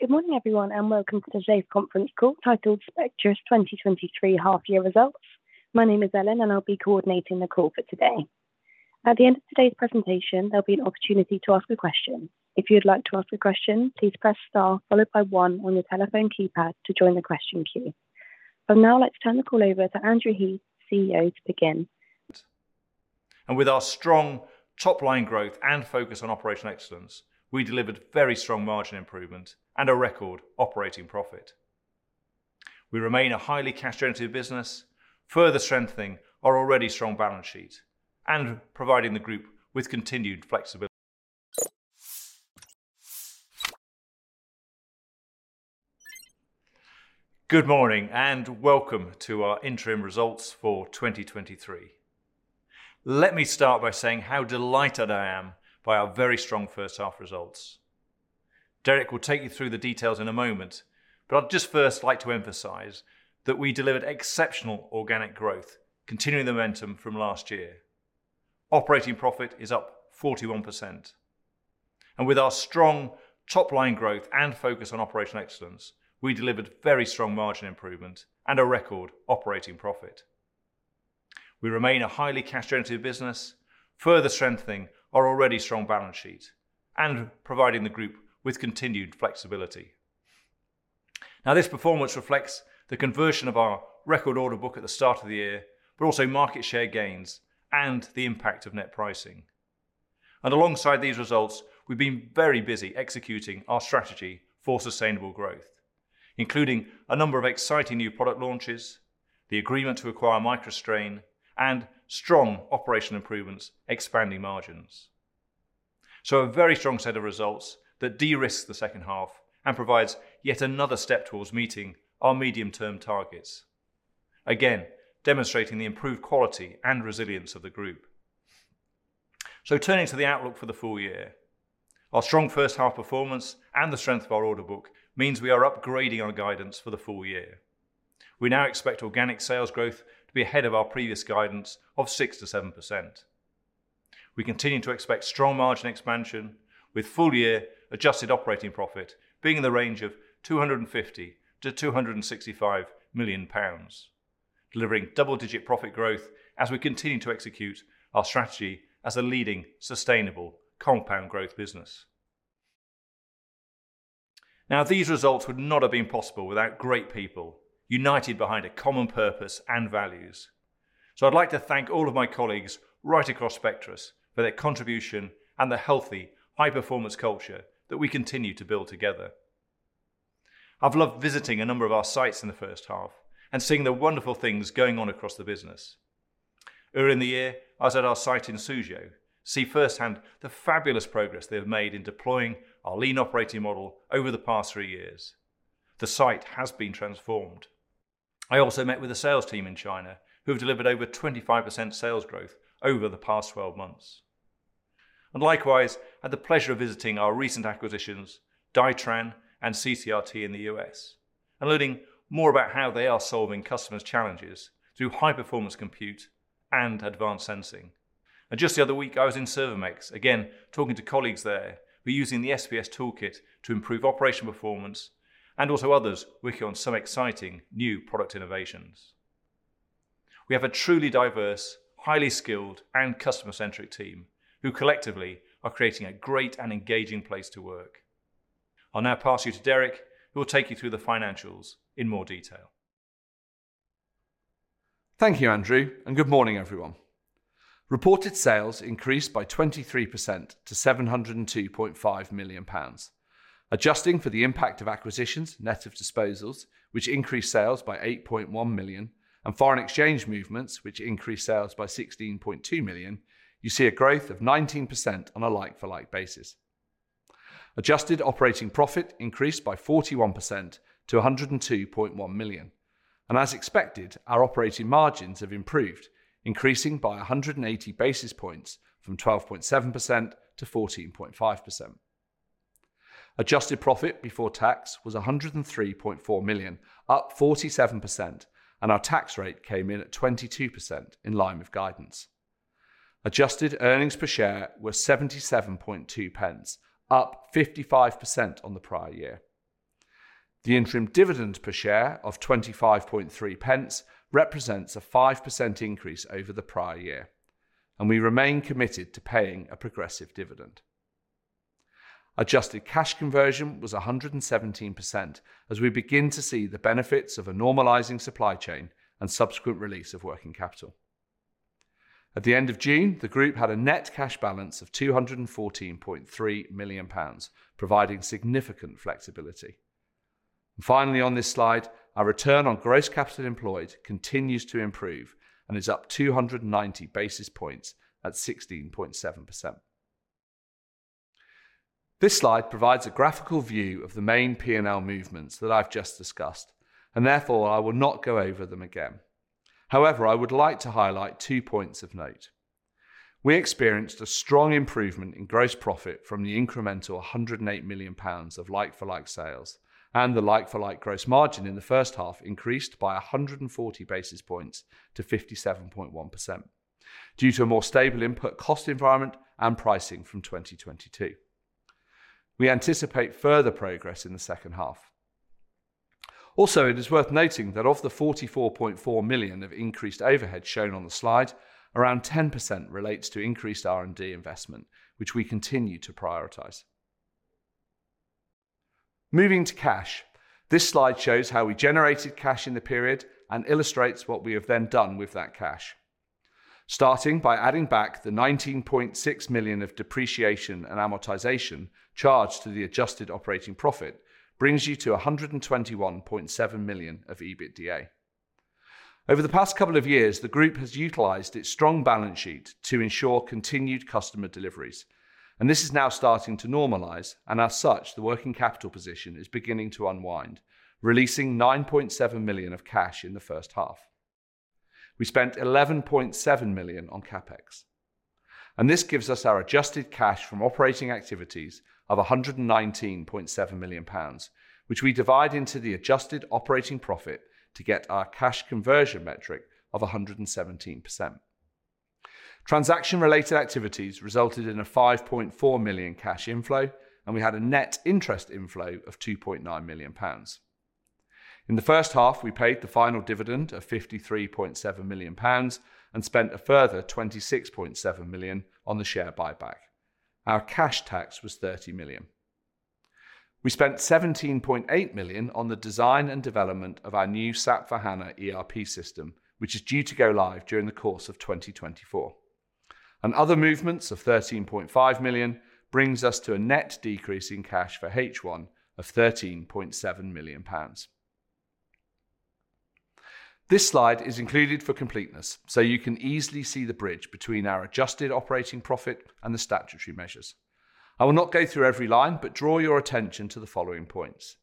Good morning, everyone, and welcome to today's conference call, titled Spectris 2023 Half Year Results. My name is Ellen, and I'll be coordinating the call for today. At the end of today's presentation, there'll be an opportunity to ask a question. If you'd like to ask a question, please press Star followed by one on your telephone keypad to join the question queue. Now I'd like to turn the call over to Andrew Heath, CEO, to begin. With our strong top-line growth and focus on operational excellence, we delivered very strong margin improvement and a record operating profit. We remain a highly cash-generative business, further strengthening our already strong balance sheet and providing the group with continued flexibility. Good morning, and welcome to our interim results for 2023. Let me start by saying how delighted I am by our very strong first half results. Derek will take you through the details in a moment, but I'd just first like to emphasize that we delivered exceptional organic growth, continuing the momentum from last year. Operating profit is up 41%. With our strong top-line growth and focus on operational excellence, we delivered very strong margin improvement and a record operating profit. We remain a highly cash-generative business, further strengthening our already strong balance sheet and providing the group with continued flexibility. This performance reflects the conversion of our record order book at the start of the year, but also market share gains and the impact of net pricing. Alongside these results, we've been very busy executing our strategy for sustainable growth, including a number of exciting new product launches, the agreement to acquire MicroStrain, and strong operational improvements, expanding margins. A very strong set of results that de-risks the second half and provides yet another step towards meeting our medium-term targets, again, demonstrating the improved quality and resilience of the group. Turning to the outlook for the full year, our strong first half performance and the strength of our order book means we are upgrading our guidance for the full year. We now expect organic sales growth to be ahead of our previous guidance of 6%-7%. We continue to expect strong margin expansion, with full-year adjusted operating profit being in the range of 250 million-265 million pounds, delivering double-digit profit growth as we continue to execute our strategy as a leading sustainable compound growth business. These results would not have been possible without great people united behind a common purpose and values. I'd like to thank all of my colleagues right across Spectris for their contribution and the healthy, high-performance culture that we continue to build together. I've loved visiting a number of our sites in the first half and seeing the wonderful things going on across the business. Earlier in the year, I was at our site in Suzhou to see firsthand the fabulous progress they have made in deploying our lean operating model over the past three years. The site has been transformed. I also met with the sales team in China, who have delivered over 25% sales growth over the past 12 months, and likewise, had the pleasure of visiting our recent acquisitions, Dytran and CCRT in the U.S., and learning more about how they are solving customers' challenges through high-performance compute and advanced sensing. Just the other week, I was in Servomex, again, talking to colleagues there, who are using the SBS toolkit to improve operational performance and also others working on some exciting new product innovations. We have a truly diverse, highly skilled, and customer-centric team who collectively are creating a great and engaging place to work. I'll now pass you to Derek, who will take you through the financials in more detail. Thank you, Andrew, and good morning, everyone. Reported sales increased by 23% to 702.5 million pounds. Adjusting for the impact of acquisitions, net of disposals, which increased sales by 8.1 million, and foreign exchange movements, which increased sales by 16.2 million, you see a growth of 19% on a like-for-like basis. Adjusted operating profit increased by 41% to 102.1 million. As expected, our operating margins have improved, increasing by 180 basis points from 12.7% to 14.5%. Adjusted profit before tax was 103.4 million, up 47%. Our tax rate came in at 22%, in line with guidance. Adjusted earnings per share were 0.772, up 55% on the prior year. The interim dividend per share of 0.253 represents a 5% increase over the prior year, and we remain committed to paying a progressive dividend. Adjusted cash conversion was 117%, as we begin to see the benefits of a normalizing supply chain and subsequent release of working capital. At the end of June, the group had a net cash balance of 214.3 million pounds, providing significant flexibility. Finally, on this slide, our Return on Gross Capital Employed continues to improve and is up 290 basis points at 16.7%. This slide provides a graphical view of the main P&L movements that I've just discussed, and therefore I will not go over them again. However, I would like to highlight two points of note. We experienced a strong improvement in gross profit from the incremental 108 million pounds of like-for-like sales. The like-for-like gross margin in the first half increased by 140 basis points to 57.1%, due to a more stable input cost environment and pricing from 2022. We anticipate further progress in the second half. Also, it is worth noting that of the 44.4 million of increased overhead shown on the slide, around 10% relates to increased R&D investment, which we continue to prioritize. Moving to cash, this slide shows how we generated cash in the period and illustrates what we have then done with that cash. Starting by adding back the 19.6 million of depreciation and amortization charged to the adjusted operating profit brings you to 121.7 million of EBITDA. Over the past couple of years, the group has utilized its strong balance sheet to ensure continued customer deliveries. This is now starting to normalize. As such, the working capital position is beginning to unwind, releasing 9.7 million of cash in the first half. We spent 11.7 million on CapEx. This gives us our adjusted cash from operating activities of 119.7 million pounds, which we divide into the adjusted operating profit to get our cash conversion metric of 117%. Transaction-related activities resulted in a 5.4 million cash inflow. We had a net interest inflow of 2.9 million pounds. In the first half, we paid the final dividend of 53.7 million pounds and spent a further 26.7 million on the share buyback. Our cash tax was 30 million. We spent 17.8 million on the design and development of our new SAP S/4HANA ERP system, which is due to go live during the course of 2024. Other movements of 13.5 million brings us to a net decrease in cash for H1 of 13.7 million pounds. This slide is included for completeness, so you can easily see the bridge between our adjusted operating profit and the statutory measures. I will not go through every line, but draw your attention to the following points.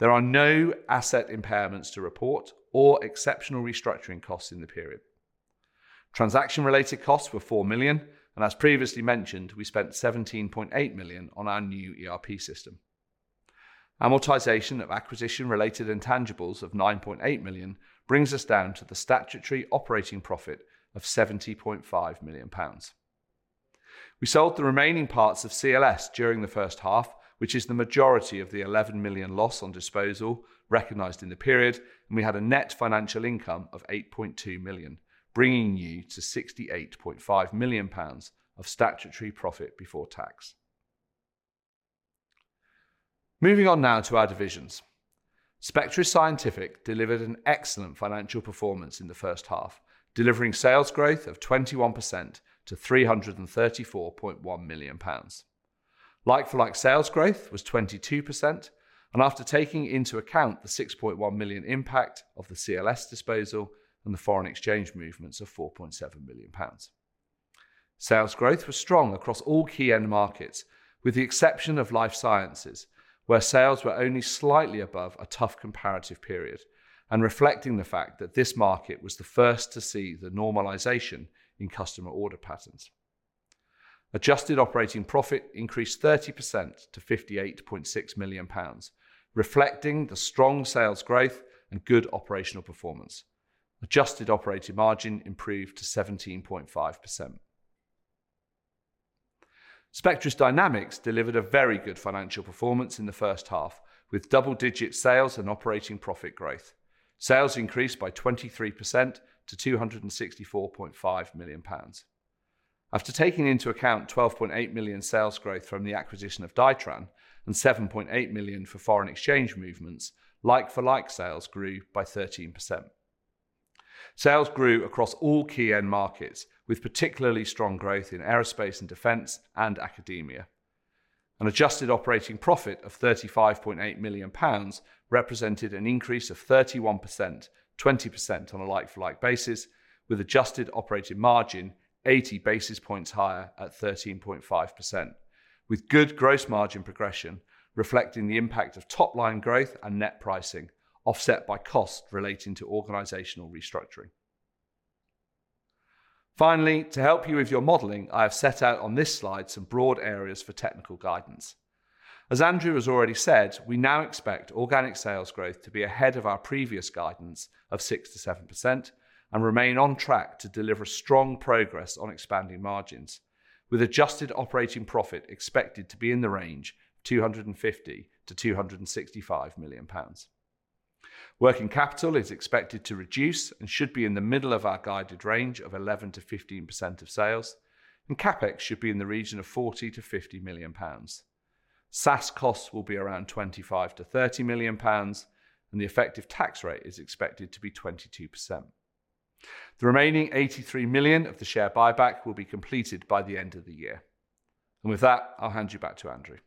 There are no asset impairments to report or exceptional restructuring costs in the period. Transaction-related costs were 4 million, and as previously mentioned, we spent 17.8 million on our new ERP system. Amortization of acquisition-related intangibles of 9.8 million brings us down to the statutory operating profit of 70.5 million pounds. We sold the remaining parts of CLS during the first half, which is the majority of the 11 million loss on disposal recognized in the period. We had a net financial income of 8.2 million, bringing you to 68.5 million pounds of statutory profit before tax. Moving on now to our divisions. Spectris Scientific delivered an excellent financial performance in the first half, delivering sales growth of 21% to 334.1 million pounds. Like for like, sales growth was 22%. After taking into account the 6.1 million impact of the CLS disposal and the foreign exchange movements of 4.7 million pounds. Sales growth was strong across all key end markets, with the exception of life sciences, where sales were only slightly above a tough comparative period and reflecting the fact that this market was the first to see the normalization in customer order patterns. Adjusted operating profit increased 30% to 58.6 million pounds, reflecting the strong sales growth and good operational performance. Adjusted operating margin improved to 17.5%. Spectris Dynamics delivered a very good financial performance in the first half, with double-digit sales and operating profit growth. Sales increased by 23% to 264.5 million pounds. After taking into account 12.8 million sales growth from the acquisition of Dytran and 7.8 million for foreign exchange movements, like-for-like sales grew by 13%. Sales grew across all key end markets, with particularly strong growth in aerospace and defense and academia. An adjusted operating profit of 35.8 million pounds represented an increase of 31%, 20% on a like-for-like basis, with adjusted operating margin 80 basis points higher at 13.5%, with good gross margin progression reflecting the impact of top-line growth and net pricing, offset by cost relating to organizational restructuring. Finally, to help you with your modeling, I have set out on this slide some broad areas for technical guidance. As Andrew has already said, we now expect organic sales growth to be ahead of our previous guidance of 6%-7% and remain on track to deliver strong progress on expanding margins, with adjusted operating profit expected to be in the range of 250 million-265 million pounds. Working capital is expected to reduce and should be in the middle of our guided range of 11%-15% of sales, and CapEx should be in the region of 40 million-50 million pounds. SaaS costs will be around 25 million-30 million pounds, and the effective tax rate is expected to be 22%. The remaining 83 million of the share buyback will be completed by the end of the year. With that, I'll hand you back to Andrew.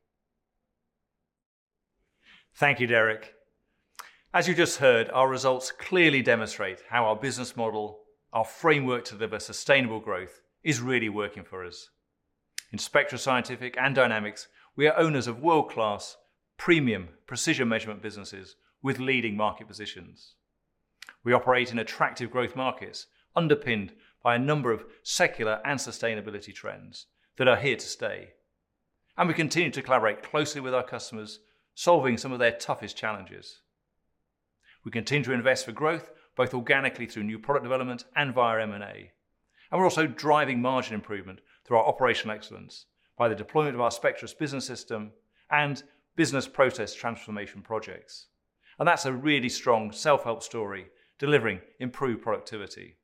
Thank you, Derek. As you just heard, our results clearly demonstrate how our business model, our framework to deliver sustainable growth, is really working for us. In Spectris Scientific and Dynamics, we are owners of world-class premium precision measurement businesses with leading market positions... We operate in attractive growth markets, underpinned by a number of secular and sustainability trends that are here to stay. We continue to collaborate closely with our customers, solving some of their toughest challenges. We continue to invest for growth, both organically through new product development and via M&A, we're also driving margin improvement through our operational excellence by the deployment of our Spectris Business System and business process transformation projects. That's a really strong self-help story, delivering improved productivity.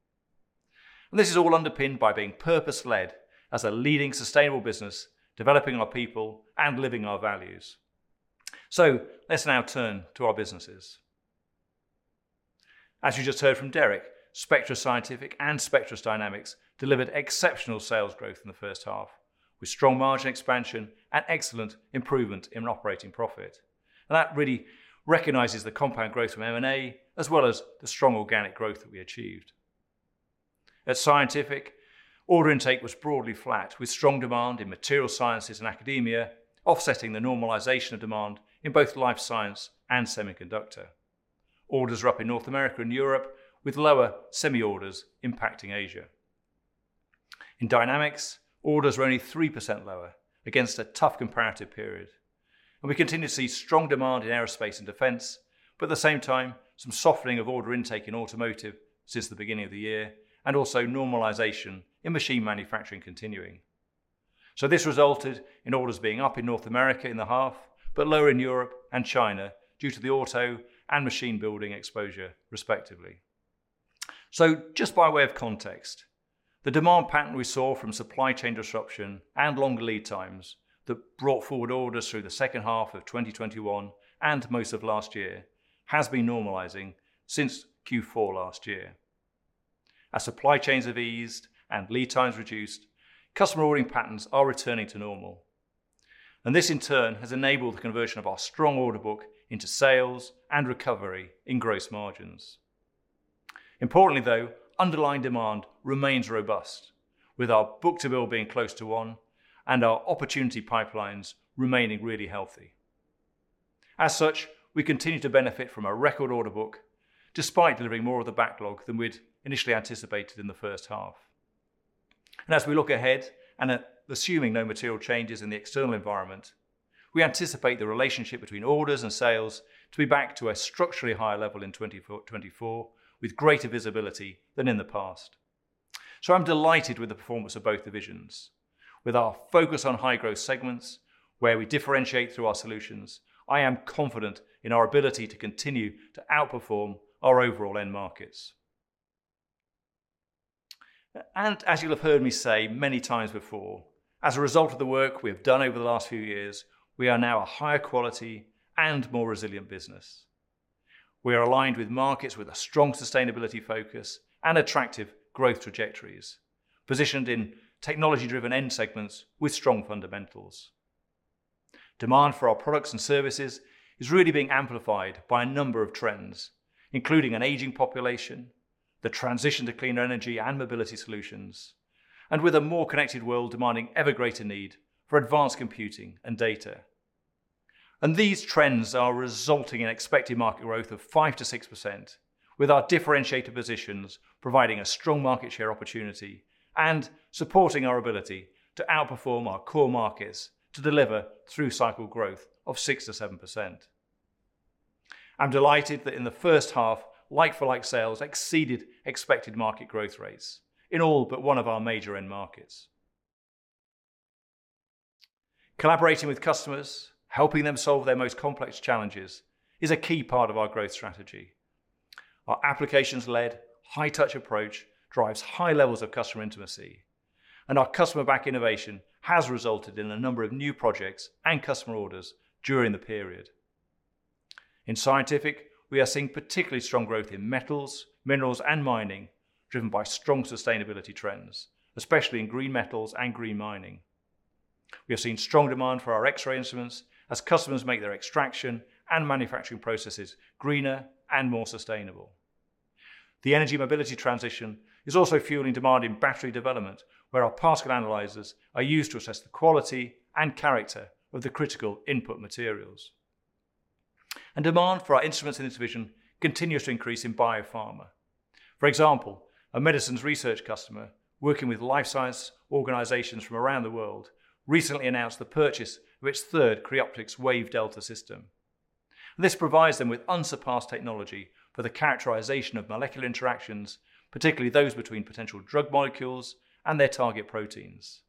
This is all underpinned by being purpose-led as a leading sustainable business, developing our people and living our values. Let's now turn to our businesses. As you just heard from Derek, Spectris Scientific and Spectris Dynamics delivered exceptional sales growth in the first half, with strong margin expansion and excellent improvement in operating profit, and that really recognizes the compound growth from M&A, as well as the strong organic growth that we achieved. At Scientific, order intake was broadly flat, with strong demand in material sciences and academia, offsetting the normalization of demand in both life science and semiconductor. Orders are up in North America and Europe, with lower semi orders impacting Asia. In Dynamics, orders were only 3% lower against a tough comparative period, and we continue to see strong demand in aerospace and defense, but at the same time, some softening of order intake in automotive since the beginning of the year, and also normalization in machine manufacturing continuing. This resulted in orders being up in North America in the half, but lower in Europe and China due to the auto and machine building exposure, respectively. Just by way of context, the demand pattern we saw from supply chain disruption and longer lead times that brought forward orders through the second half of 2021 and most of last year, has been normalizing since Q4 last year. As supply chains have eased and lead times reduced, customer ordering patterns are returning to normal, and this, in turn, has enabled the conversion of our strong order book into sales and recovery in gross margins. Importantly, though, underlying demand remains robust, with our book-to-bill being close to one and our opportunity pipelines remaining really healthy. As such, we continue to benefit from a record order book, despite delivering more of the backlog than we'd initially anticipated in the first half. As we look ahead, assuming no material changes in the external environment, we anticipate the relationship between orders and sales to be back to a structurally higher level in 2024, with greater visibility than in the past. I'm delighted with the performance of both divisions. With our focus on high-growth segments, where we differentiate through our solutions, I am confident in our ability to continue to outperform our overall end markets. As you'll have heard me say many times before, as a result of the work we have done over the last few years, we are now a higher quality and more resilient business. We are aligned with markets with a strong sustainability focus and attractive growth trajectories, positioned in technology-driven end segments with strong fundamentals. Demand for our products and services is really being amplified by a number of trends, including an aging population, the transition to cleaner energy and mobility solutions, and with a more connected world demanding ever greater need for advanced computing and data. These trends are resulting in expected market growth of 5%-6%, with our differentiated positions providing a strong market share opportunity and supporting our ability to outperform our core markets to deliver through cycle growth of 6%-7%. I'm delighted that in the first half, like-for-like sales exceeded expected market growth rates in all but one of our major end markets. Collaborating with customers, helping them solve their most complex challenges, is a key part of our growth strategy. Our applications-led, high-touch approach drives high levels of customer intimacy, and our customer-back innovation has resulted in a number of new projects and customer orders during the period. In Scientific, we are seeing particularly strong growth in metals, minerals, and mining, driven by strong sustainability trends, especially in green metals and green mining. We have seen strong demand for our X-ray instruments as customers make their extraction and manufacturing processes greener and more sustainable. The energy mobility transition is also fueling demand in battery development, where our Pascal analyzers are used to assess the quality and character of the critical input materials. Demand for our instruments in this division continues to increase in biopharma. For example, a medicines research customer working with life science organizations from around the world recently announced the purchase of its third Creoptix WAVE delta system. This provides them with unsurpassed technology for the characterization of molecular interactions, particularly those between potential drug molecules and their target proteins.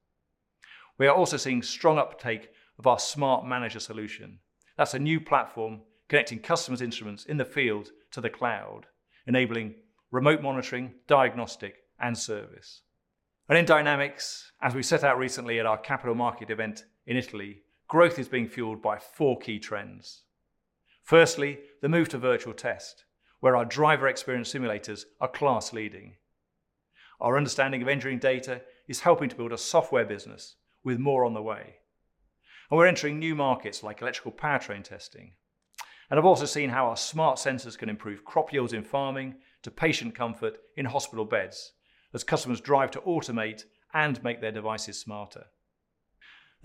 We are also seeing strong uptake of our Smart Manager solution. That's a new platform connecting customers' instruments in the field to the cloud, enabling remote monitoring, diagnostic, and service. In Dynamics, as we set out recently at our Capital Markets event in Italy, growth is being fueled by four key trends. Firstly, the move to Virtual Test, where our driver experience simulators are class leading. Our understanding of engineering data is helping to build a software business with more on the way. We're entering new markets like electrical powertrain testing. I've also seen how our smart sensors can improve crop yields in farming to patient comfort in hospital beds as customers drive to automate and make their devices smarter.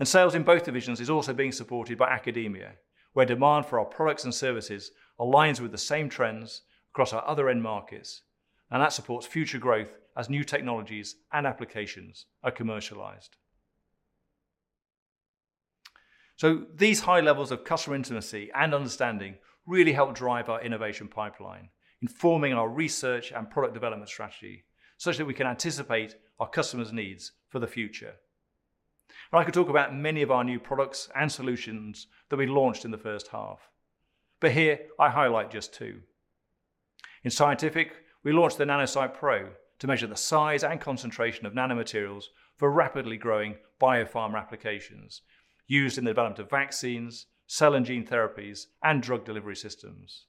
Sales in both divisions is also being supported by academia, where demand for our products and services aligns with the same trends across our other end markets, and that supports future growth as new technologies and applications are commercialized. These high levels of customer intimacy and understanding really help drive our innovation pipeline, informing our research and product development strategy, such that we can anticipate our customers' needs for the future. I could talk about many of our new products and solutions that we launched in the first half, but here I highlight just two. In Scientific, we launched the NanoSight Pro to measure the size and concentration of nanomaterials for rapidly growing biopharma applications used in the development of vaccines, cell and gene therapies, and drug delivery systems.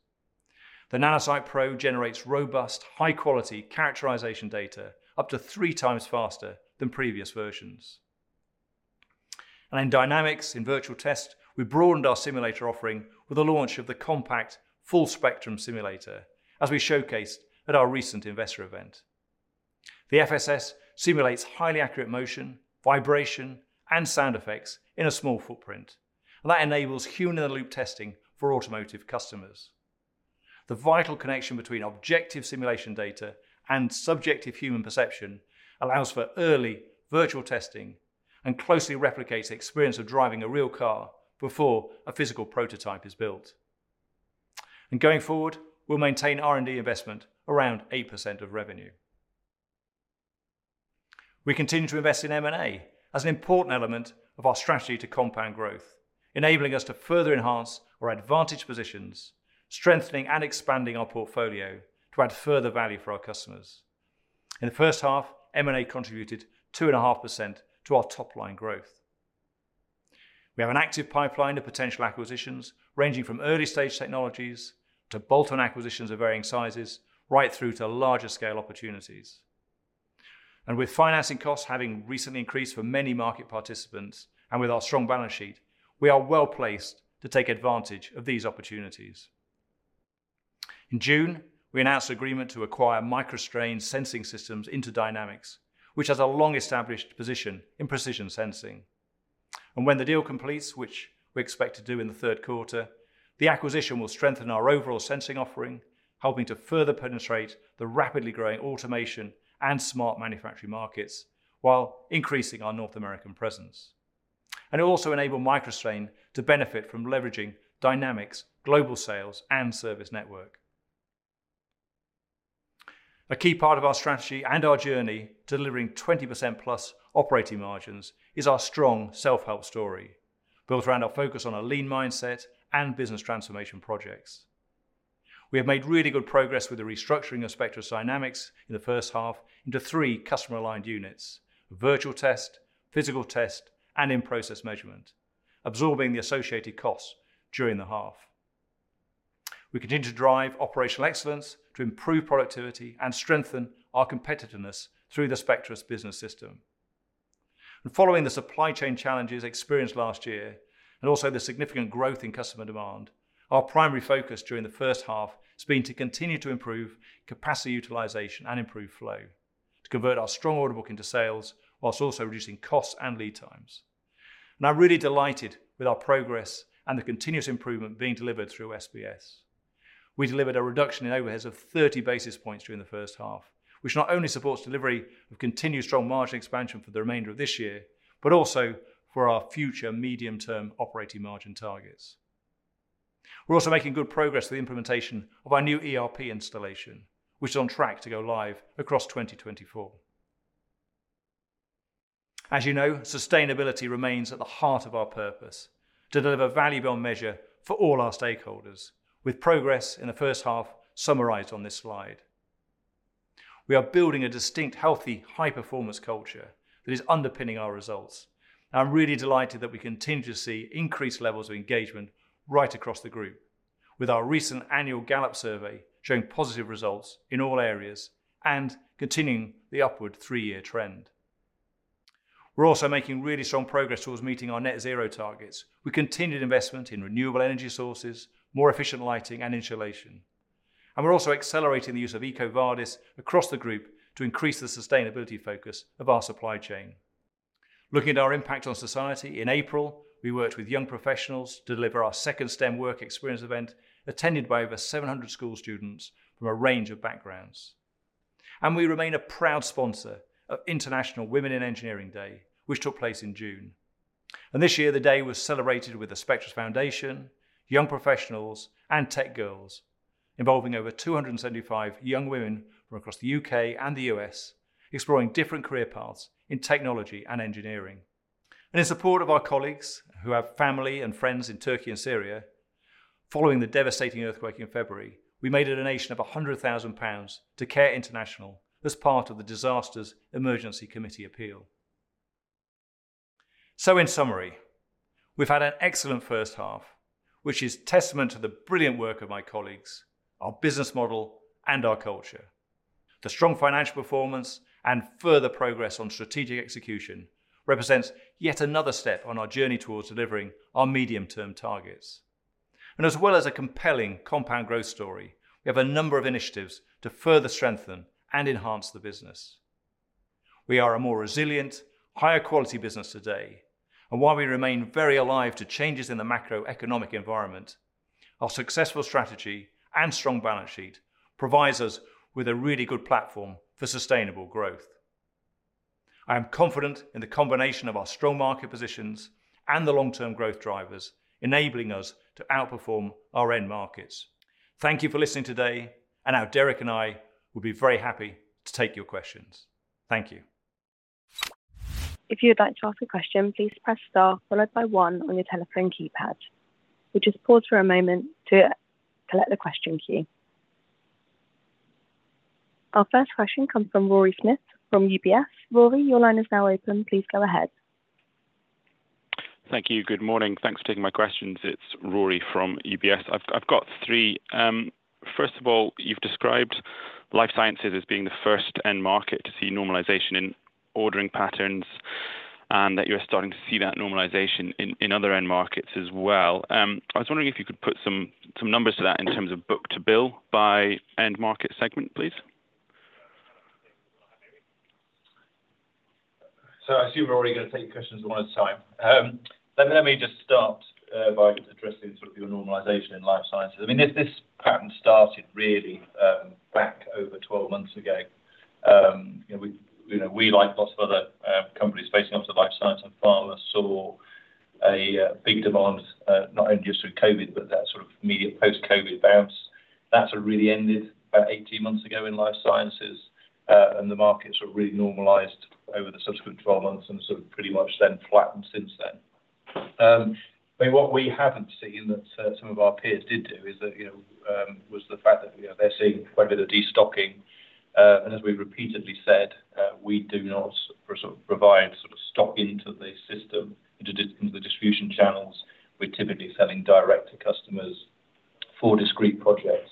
The NanoSight Pro generates robust, high-quality characterization data up to three times faster than previous versions. In Dynamics, in Virtual Test, we broadened our simulator offering with the launch of the COMPACT Full Spectrum Simulator, as we showcased at our recent investor event. The FSS simulates highly accurate motion, vibration, and sound effects in a small footprint, and that enables human-in-the-loop testing for automotive customers. The vital connection between objective simulation data and subjective human perception allows for early virtual testing and closely replicates the experience of driving a real car before a physical prototype is built. Going forward, we'll maintain R&D investment around 8% of revenue. We continue to invest in M&A as an important element of our strategy to compound growth, enabling us to further enhance our advantage positions, strengthening and expanding our portfolio to add further value for our customers. In the first half, M&A contributed 2.5% to our top-line growth. We have an active pipeline of potential acquisitions, ranging from early-stage technologies to bolt-on acquisitions of varying sizes, right through to larger-scale opportunities. With financing costs having recently increased for many market participants, and with our strong balance sheet, we are well-placed to take advantage of these opportunities. In June, we announced an agreement to acquire MicroStrain Sensing Systems into Dynamics, which has a long-established position in precision sensing. When the deal completes, which we expect to do in the third quarter, the acquisition will strengthen our overall sensing offering, helping to further penetrate the rapidly growing automation and smart manufacturing markets, while increasing our North American presence. It will also enable MicroStrain to benefit from leveraging Dynamics' global sales and service network. A key part of our strategy and our journey to delivering 20%+ operating margins is our strong self-help story, built around our focus on a lean mindset and business transformation projects. We have made really good progress with the restructuring of Spectris Dynamics in the first half into three customer-aligned units: Virtual Test, Physical Test, and In-Process Measurement, absorbing the associated costs during the half. We continue to drive operational excellence to improve productivity and strengthen our competitiveness through the Spectris Business System. Following the supply chain challenges experienced last year, and also the significant growth in customer demand, our primary focus during the first half has been to continue to improve capacity utilization and improve flow, to convert our strong order book into sales, whilst also reducing costs and lead times. I'm really delighted with our progress and the continuous improvement being delivered through SBS. We delivered a reduction in overheads of 30 basis points during the first half, which not only supports delivery of continued strong margin expansion for the remainder of this year, but also for our future medium-term operating margin targets. We're also making good progress with the implementation of our new ERP installation, which is on track to go live across 2024. You know, sustainability remains at the heart of our purpose, to deliver value beyond measure for all our stakeholders, with progress in the first half summarized on this slide. We are building a distinct, healthy, high-performance culture that is underpinning our results. I'm really delighted that we continue to see increased levels of engagement right across the group, with our recent annual Gallup survey showing positive results in all areas and continuing the upward three-year trend. We're also making really strong progress towards meeting our net zero targets. We continued investment in renewable energy sources, more efficient lighting, and insulation, and we're also accelerating the use of EcoVadis across the group to increase the sustainability focus of our supply chain. Looking at our impact on society, in April, we worked with Young Professionals to deliver our second STEM work experience event, attended by over 700 school students from a range of backgrounds. We remain a proud sponsor of International Women in Engineering Day, which took place in June. This year, the day was celebrated with The Spectris Foundation, Young Professionals, and TechGirlz, involving over 275 young women from across the U.K. and the U.S., exploring different career paths in technology and engineering. In support of our colleagues who have family and friends in Turkey and Syria, following the devastating earthquake in February, we made a donation of 100,000 pounds to CARE International as part of the Disasters Emergency Committee Appeal. In summary, we've had an excellent first half, which is testament to the brilliant work of my colleagues, our business model, and our culture. The strong financial performance and further progress on strategic execution represents yet another step on our journey towards delivering our medium-term targets. As well as a compelling compound growth story, we have a number of initiatives to further strengthen and enhance the business. We are a more resilient, higher quality business today, and while we remain very alive to changes in the macroeconomic environment, our successful strategy and strong balance sheet provides us with a really good platform for sustainable growth. I am confident in the combination of our strong market positions and the long-term growth drivers, enabling us to outperform our end markets. Thank you for listening today, and now Derek and I will be very happy to take your questions. Thank you. If you would like to ask a question, please press star followed by one on your telephone keypad. We just pause for a moment to collect the question queue. Our first question comes from Rory Smith from UBS. Rory, your line is now open. Please go ahead. Thank you. Good morning. Thanks for taking my questions. It's Rory from UBS. I've, I've got three. First of all, you've described life sciences as being the first end market to see normalization in ordering patterns, and that you're starting to see that normalization in, in other end markets as well. I was wondering if you could put some, some numbers to that in terms of book-to-bill by end market segment, please? I assume we're only going to take questions one at a time. Let me just start by addressing sort of your normalization in life sciences. I mean, this, this pattern started really back over 12 months ago. You know, we, you know, we, like lots of other companies facing off to life science and pharma, saw a big demand not only just through COVID, but that sort of immediate post-COVID bounce. That really ended about 18 months ago in life sciences, and the markets are really normalized over the subsequent 12 months and sort of pretty much then flattened since then. But what we haven't seen that some of our peers did do is that, you know, was the fact that, you know, they're seeing quite a bit of destocking. As we've repeatedly said, we do not sort of provide sort of stock into the system, into the, into the distribution channels. We're typically selling direct to customers for discrete projects.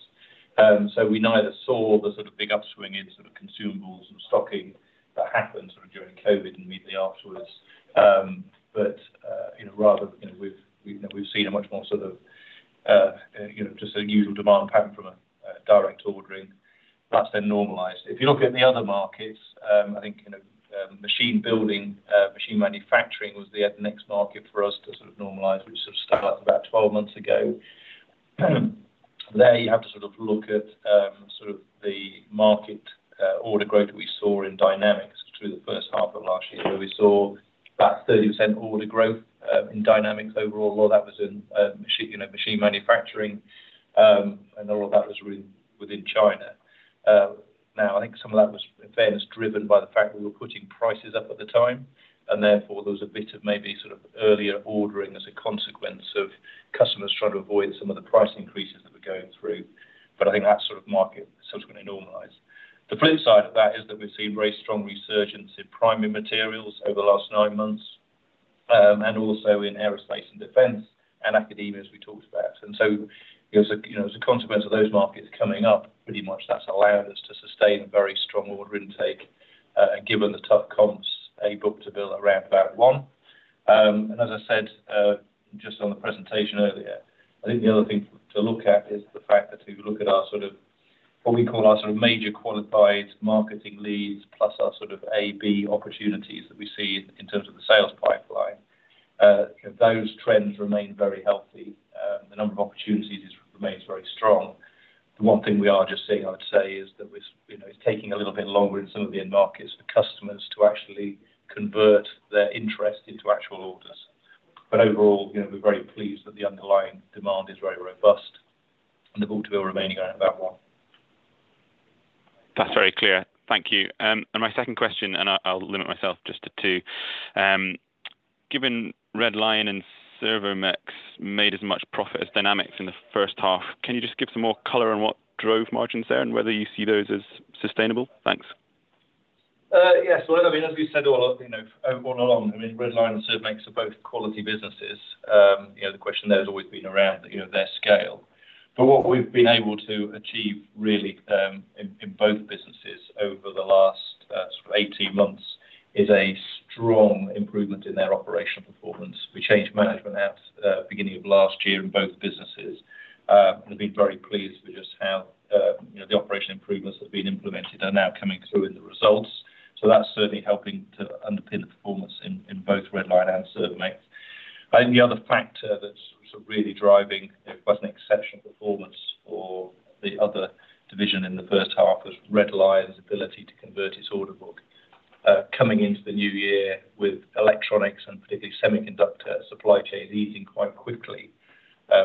So we neither saw the sort of big upswing in sort of consumables and stocking that happened sort of during COVID and immediately afterwards. You know, rather, you know, we've, you know, we've seen a much more sort of, you know, just a usual demand pattern from a, direct ordering that's then normalized. If you look at the other markets, I think, you know, machine building, machine manufacturing was the next market for us to sort of normalize, which sort of started about 12 months ago. There you have to sort of look at, sort of the market, order growth we saw in Dynamics through the first half of last year, where we saw about 30% order growth, in Dynamics overall. Well, that was in, machine, you know, machine manufacturing, and all of that was within China. I think some of that was driven by the fact we were putting prices up at the time, and therefore, there was a bit of maybe sort of earlier ordering as a consequence of customers trying to avoid some of the price increases that were going through. I think that sort of market subsequently normalized. The flip side of that is that we've seen very strong resurgence in primary materials over the last nine months, and also in aerospace and defense and academia, as we talked about. you know, as a consequence of those markets coming up, pretty much that's allowed us to sustain a very strong order intake, and given the tough comps, a book-to-bill around one. as I said, just on the presentation earlier, I think the other thing to look at is the fact that if you look at our sort of what we call our sort of major qualified marketing leads, plus our sort of AB opportunities that we see in terms of the sales pipeline, those trends remain very healthy. The number of opportunities remains very strong. The one thing we are just seeing, I'd say, is that, you know, it's taking a little bit longer in some of the end markets for customers to actually convert their interest into actual orders. Overall, you know, we're very pleased that the underlying demand is very robust and the book-to-bill remaining around about one. That's very clear. Thank you. My second question, I'll limit myself just to two. Given Red Lion and Servomex made as much profit as Dynamics in the first half, can you just give some more color on what drove margins there and whether you see those as sustainable? Thanks. Yes. Well, I mean, as we said all, you know, over and on, I mean, Red Lion and Servomex are both quality businesses. You know, the question there has always been around, you know, their scale. What we've been able to achieve, really, in, in both businesses over the last, sort of 18 months, is a strong improvement in their operational performance. We changed management at, beginning of last year in both businesses, and we've been very pleased with just how, you know, the operational improvements have been implemented are now coming through in the results. That's certainly helping to underpin the performance in, in both Red Lion and Servomex. I think the other factor that's sort of really driving, it was an exceptional performance for the other division in the first half, was Red Lion's ability to convert its order book. Coming into the new year with electronics and particularly semiconductor supply chains easing quite quickly,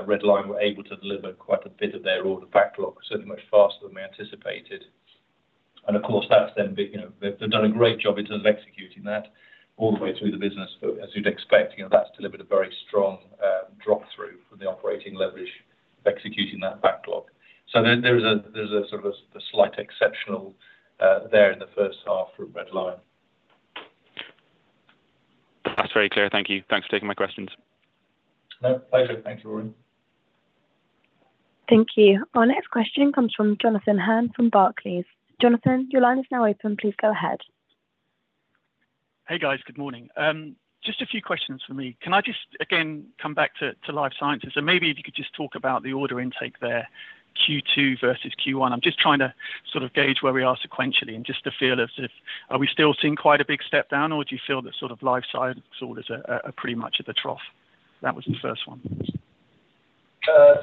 Red Lion were able to deliver quite a bit of their order backlog, certainly much faster than we anticipated. Of course, that's then, you know, they've done a great job in terms of executing that all the way through the business. As you'd expect, you know, that's delivered a very strong, drop-through for the operating leverage, executing that backlog. Then there's a, there's a sort of a slight exceptional, there in the first half for Red Lion. That's very clear. Thank you. Thanks for taking my questions. No, pleasure. Thank you, Rory. Thank you. Our next question comes from Jonathan Hurn from Barclays. Jonathan, your line is now open. Please go ahead. Hey, guys. Good morning. Just a few questions for me. Can I just, again, come back to, to life sciences, and maybe if you could just talk about the order intake there, Q2 versus Q1? I'm just trying to sort of gauge where we are sequentially and just the feel of if are we still seeing quite a big step down, or do you feel that sort of life science orders are, are pretty much at the trough? That was the first one.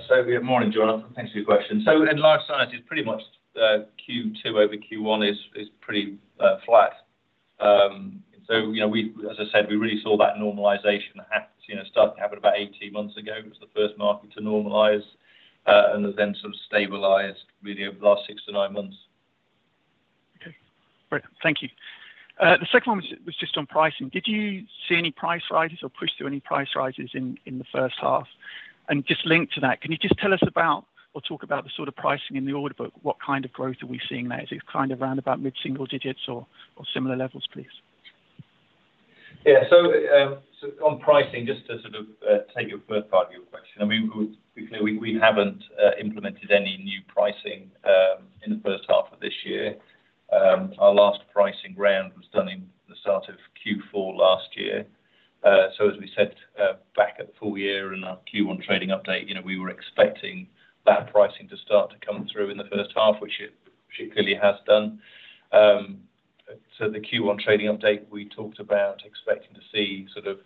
Good morning, Jonathan. Thanks for your question. In life sciences, pretty much, Q2 over Q1 is, is pretty flat. You know, as I said, we really saw that normalization, you know, start to happen about 18 months ago. It was the first market to normalize, and then sort of stabilized really over the last six to nine months. Okay. Great. Thank you. The second one was, was just on pricing. Did you see any price rises or push through any price rises in the first half? Just linked to that, can you just tell us about or talk about the sort of pricing in the order book? What kind of growth are we seeing there? Is it kind of roundabout mid-single digits or, or similar levels, please? Yeah. On pricing, just to sort of, take your first part of your question, I mean, we, we, we haven't implemented any new pricing in the first half of this year. Our last pricing round was done in the start of Q4 last year. As we said, back at the full year and our Q1 trading update, you know, we were expecting that pricing to start to come through in the first half, which it, which it clearly has done. The Q1 trading update, we talked about expecting to see sort of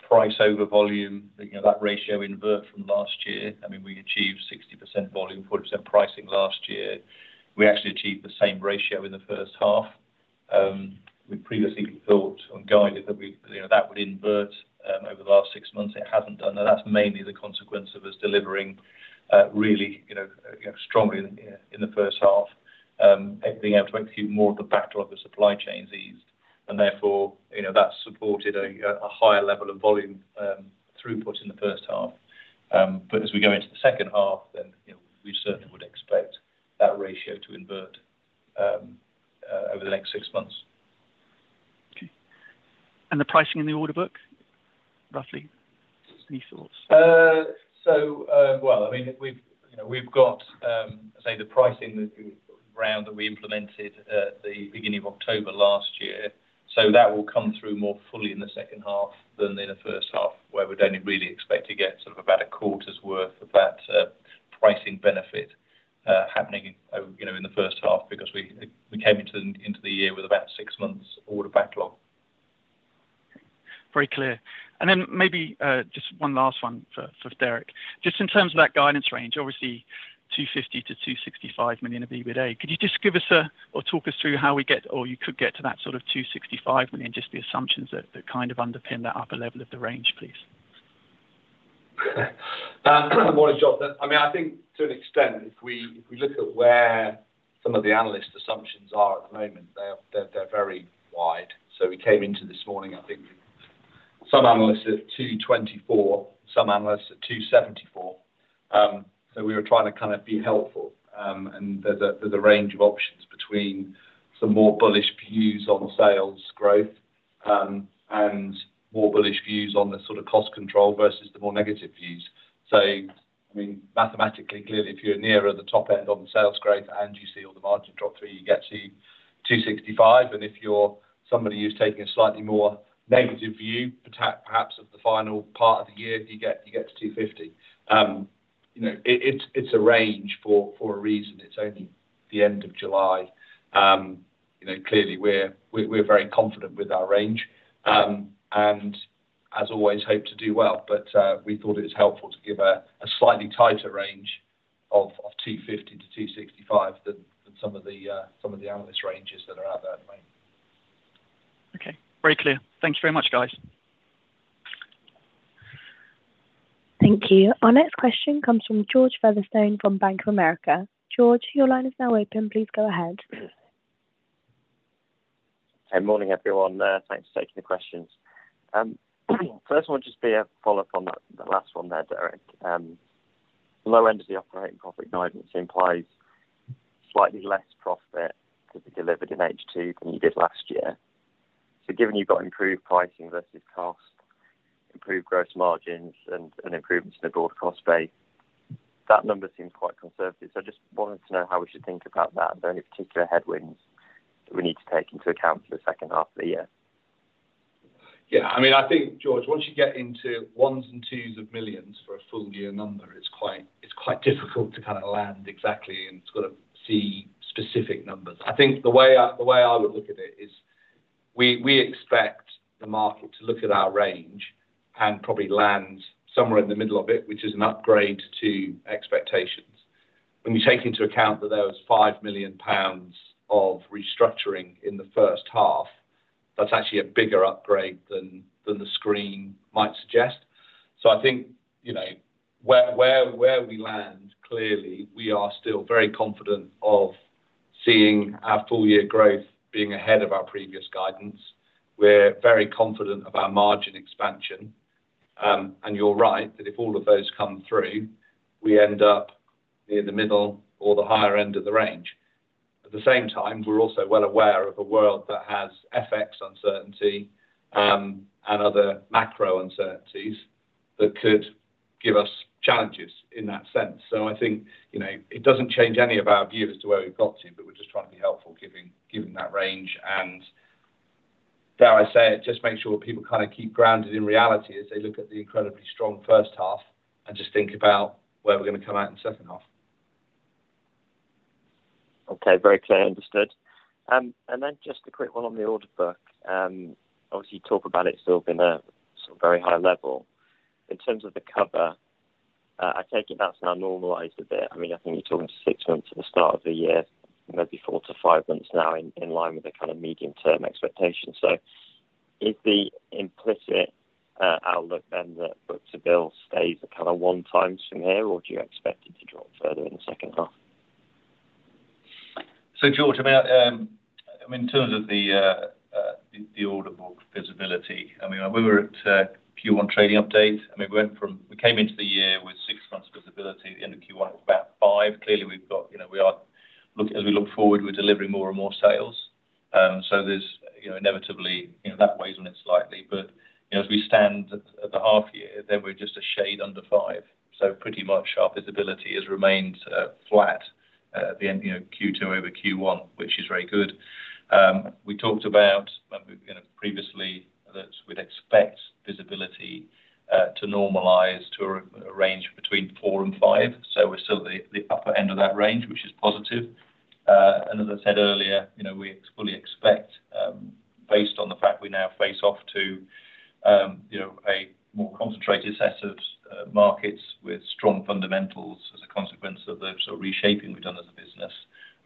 price over volume, you know, that ratio invert from last year. I mean, we achieved 60% volume, 40% pricing last year. We actually achieved the same ratio in the first half. We previously thought on guidance that we, you know, that would invert over the last six months. It hasn't done that. That's mainly the consequence of us delivering, really, you know, strongly in, in the first half, and being able to execute more of the backlog of supply chain eased, and therefore, you know, that supported a higher level of volume throughput in the first half. As we go into the second half, you know, we certainly would expect that ratio to invert over the next six months. Okay. The pricing in the order book, roughly, any thoughts? Well, I mean, we've, you know, we've got, say, the pricing round that we implemented at the beginning of October last year, that will come through more fully in the second half than in the first half, where we'd only really expect to get sort of about a quarter's worth of that, pricing benefit, happening, you know, in the first half, because we, we came into the, into the year with about six months order backlog. Very clear. Then maybe just one last one for Derek. Just in terms of that guidance range, obviously, 250 million-265 million of EBITDA. Could you just give us or talk us through how we get, or you could get to that sort of 265 million, just the assumptions that kind of underpin that upper level of the range, please? Good morning, Jonathan. I mean, I think to an extent, if we, if we look at where some of the analyst assumptions are at the moment, they're very wide. We came into this morning, I think, some analysts at 224, some analysts at 274. We were trying to kind of be helpful, and there's a range of options between some more bullish views on sales growth and more bullish views on the sort of cost control versus the more negative views. I mean, mathematically, clearly, if you're nearer the top end on sales growth and you see all the margin drop through, you get to 265, and if you're somebody who's taking a slightly more negative view, perhaps of the final part of the year, you get, you get to 250. you know, it, it's, it's a range for, for a reason. It's only the end of July. you know, clearly, we're, we're very confident with our range, and as always, hope to do well. We thought it was helpful to give a, a slightly tighter range of, of 250-265 than, than some of the, some of the analyst ranges that are out there at the moment. Okay. Very clear. Thank you very much, guys. Thank you. Our next question comes from George Featherstone from Bank of America. George, your line is now open. Please go ahead. Hey, morning, everyone. Thanks for taking the questions. First one, just be a follow-up on the last one there, Derek. Low end of the operating profit guidance implies slightly less profit to be delivered in H2 than you did last year. Given you've got improved pricing versus cost, improved gross margins and improvements in the broad cost base, that number seems quite conservative. I just wanted to know how we should think about that, and are there any particular headwinds that we need to take into account for the second half of the year? Yeah, I mean, I think, George, once you get into ones and twos of millions for a full-year number, it's quite, it's quite difficult to kind of land exactly and sort of see specific numbers. I think the way I, the way I would look at it is we, we expect the market to look at our range and probably land somewhere in the middle of it, which is an upgrade to expectations. When we take into account that there was 5 million pounds of restructuring in the first half, that's actually a bigger upgrade than, than the screen might suggest. I think, you know, where, where, where we land, clearly, we are still very confident of seeing our full-year growth being ahead of our previous guidance. We're very confident of our margin expansion, and you're right, that if all of those come through, we end up near the middle or the higher end of the range. At the same time, we're also well aware of a world that has FX uncertainty-... and other macro uncertainties that could give us challenges in that sense. I think, you know, it doesn't change any of our view as to where we've got to, but we're just trying to be helpful, giving, giving that range. Dare I say it, just make sure people kind of keep grounded in reality as they look at the incredibly strong first half, and just think about where we're going to come out in the second half. Okay, very clear, understood. Then just a quick one on the order book. Obviously, you talk about it still being at a sort of very high level. In terms of the cover, I take it that's now normalized a bit. I mean, I think you're talking six months at the start of the year, maybe four to five months now in, in line with the kind of medium-term expectation. Is the implicit outlook then that book-to-bill stays at kind of one time from here, or do you expect it to drop further in the second half? George, I mean, I mean, in terms of the order book visibility, I mean, we were at Q1 trading update. I mean, we went from-- we came into the year with six months visibility. At the end of Q1, it was about five. Clearly, we've got, you know, we are look-- as we look forward, we're delivering more and more sales. There's, you know, inevitably, you know, that weighs on it slightly, but, you know, as we stand at the half year, then we're just a shade under five. Pretty much our visibility has remained flat at the end, you know, Q2 over Q1, which is very good. We talked about, you know, previously, that we'd expect visibility to normalize to a range between four and five, so we're still at the upper end of that range, which is positive. As I said earlier, you know, we fully expect, based on the fact we now face off to, you know, a more concentrated set of markets with strong fundamentals as a consequence of the sort of reshaping we've done as a business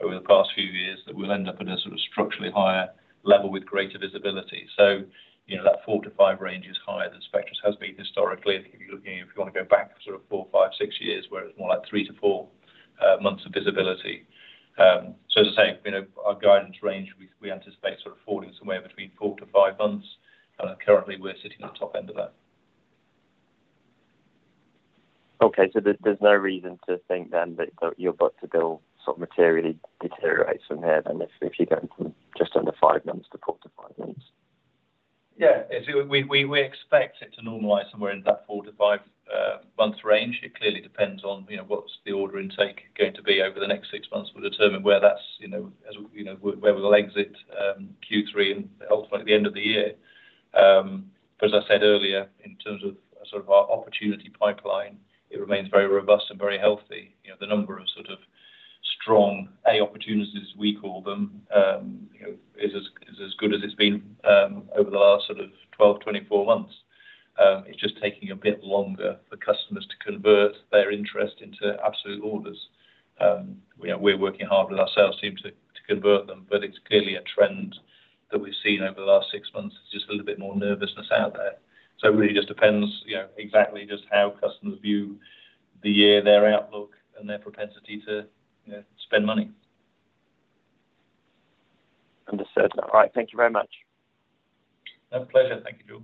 over the past few years, that we'll end up at a sort of structurally higher level with greater visibility. You know, that four to five range is higher than Spectris has been historically. I think if you're looking, if you want to go back sort of four, five, six years, where it's more like three to four months of visibility. As I say, you know, our guidance range, we, we anticipate sort of falling somewhere between four to five months, and currently, we're sitting at the top end of that. There's no reason to think then that your book-to-bill sort of materially deteriorates from here, then, if you're going from just under five months to four to five months? If we, we, we expect it to normalize somewhere in that four to five month range. It clearly depends on, you know, what's the order intake going to be over the next six months will determine where that's, you know, as we, you know, where we'll exit Q3 and ultimately at the end of the year. As I said earlier, in terms of sort of our opportunity pipeline, it remains very robust and very healthy. You know, the number of sort of strong, A opportunities, we call them, you know, is as, is as good as it's been over the last sort of 12-24 months. It's just taking a bit longer for customers to convert their interest into absolute orders. You know, we're working hard with our sales team to, to convert them, but it's clearly a trend that we've seen over the last six months. It's just a little bit more nervousness out there. It really just depends, you know, exactly just how customers view the year, their outlook, and their propensity to, you know, spend money. Understood. All right. Thank you very much. My pleasure. Thank you, George.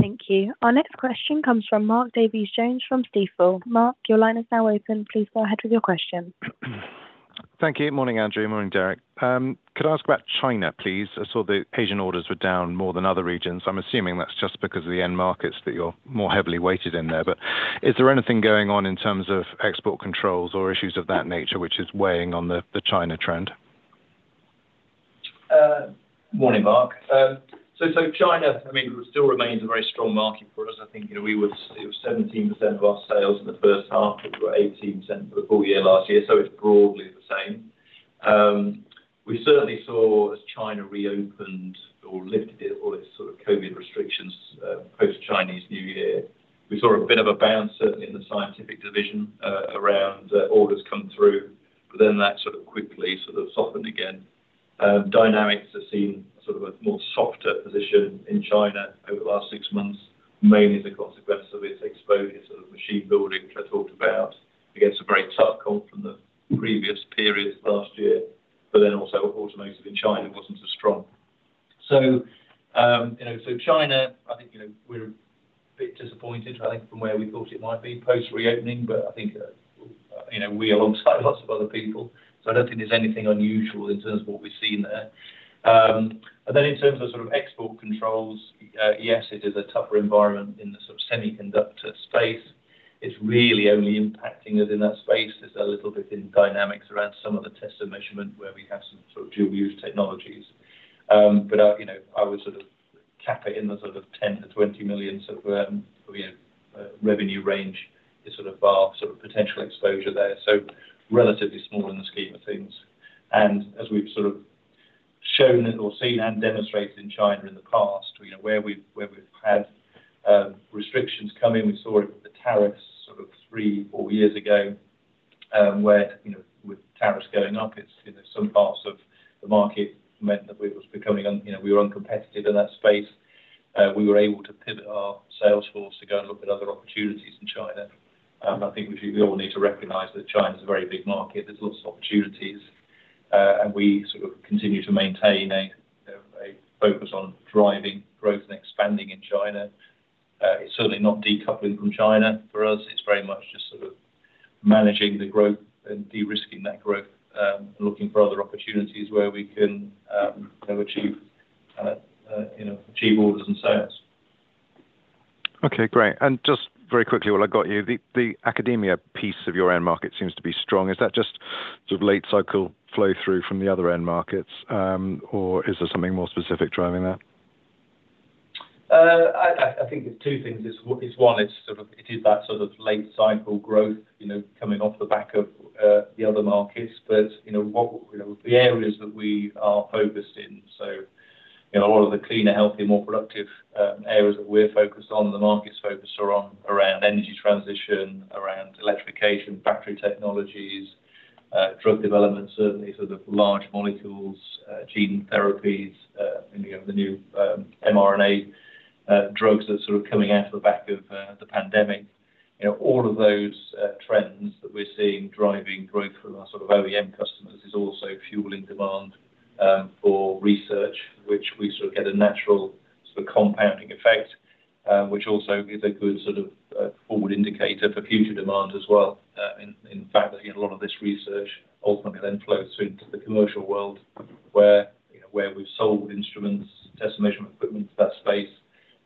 Thank you. Our next question comes from Mark Davies-Jones from Stifel. Mark, your line is now open. Please go ahead with your question. Thank you. Morning, Andrew, morning, Derek. Could I ask about China, please? I saw the Asian orders were down more than other regions. I'm assuming that's just because of the end markets, that you're more heavily weighted in there. Is there anything going on in terms of export controls or issues of that nature, which is weighing on the, the China trend? Morning, Mark. China, I mean, still remains a very strong market for us. I think, you know, it was 17% of our sales in the first half, it was 18% for the full year last year, so it's broadly the same. We certainly saw as China reopened or lifted all its sort of COVID restrictions, post-Chinese New Year, we saw a bit of a bounce, certainly in the Spectris Scientific, around orders come through, but then that sort of quickly sort of softened again. Spectris Dynamics have seen sort of a more softer position in China over the last six months, mainly as a consequence of its exposure to the machine building, which I talked about, against a very tough call from the previous periods last year, but then also automotive in China wasn't as strong. You know, so China, I think, you know, we're a bit disappointed, I think, from where we thought it might be post-reopening, but I think, you know, we alongside lots of other people, so I don't think there's anything unusual in terms of what we've seen there. Then in terms of sort of export controls, yes, it is a tougher environment in the sort of semiconductor space. It's really only impacting us in that space. It's a little bit in Dynamics around some of the test and measurement, where we have some sort of dual-use technologies. You know, I would sort of cap it in the sort of 10 million-20 million, sort of, you know, revenue range is sort of our sort of potential exposure there, so relatively small in the scheme of things. As we've sort of shown or seen and demonstrated in China in the past, you know, where we've, where we've had restrictions come in, we saw it with the tariffs sort of three, four years ago, where, you know, with tariffs going up, it's, you know, some parts of the market meant that we was becoming, you know, we were uncompetitive in that space. We were able to pivot our sales force to go and look at other opportunities in China. I think we all need to recognize that China is a very big market. There's lots of opportunities, and we sort of continue to maintain a, a focus on driving growth and expanding in China. It's certainly not decoupling from China. For us, it's very much. managing the growth and de-risking that growth, and looking for other opportunities where we can, you know, achieve, you know, achieve orders and sales. Okay, great. Just very quickly, while I got you, the, the academia piece of your end market seems to be strong. Is that just sort of late cycle flow through from the other end markets, or is there something more specific driving that? I, I, I think it's two things. It's one, it's sort of, it is that sort of late cycle growth, you know, coming off the back of the other markets. You know, what, you know, the areas that we are focused in, so, you know, a lot of the cleaner, healthier, more productive areas that we're focused on, the market's focused are on around energy transition, around electrification, factory technologies, drug development, certainly sort of large molecules, gene therapies, and, you know, the new mRNA drugs that are sort of coming out of the back of the pandemic. You know, all of those trends that we're seeing driving growth from our sort of OEM customers is also fueling demand for research, which we sort of get a natural sort of compounding effect, which also is a good sort of forward indicator for future demand as well. In fact, you know, a lot of this research ultimately then flows through into the commercial world, where, you know, where we've sold instruments, test measurement equipment, that space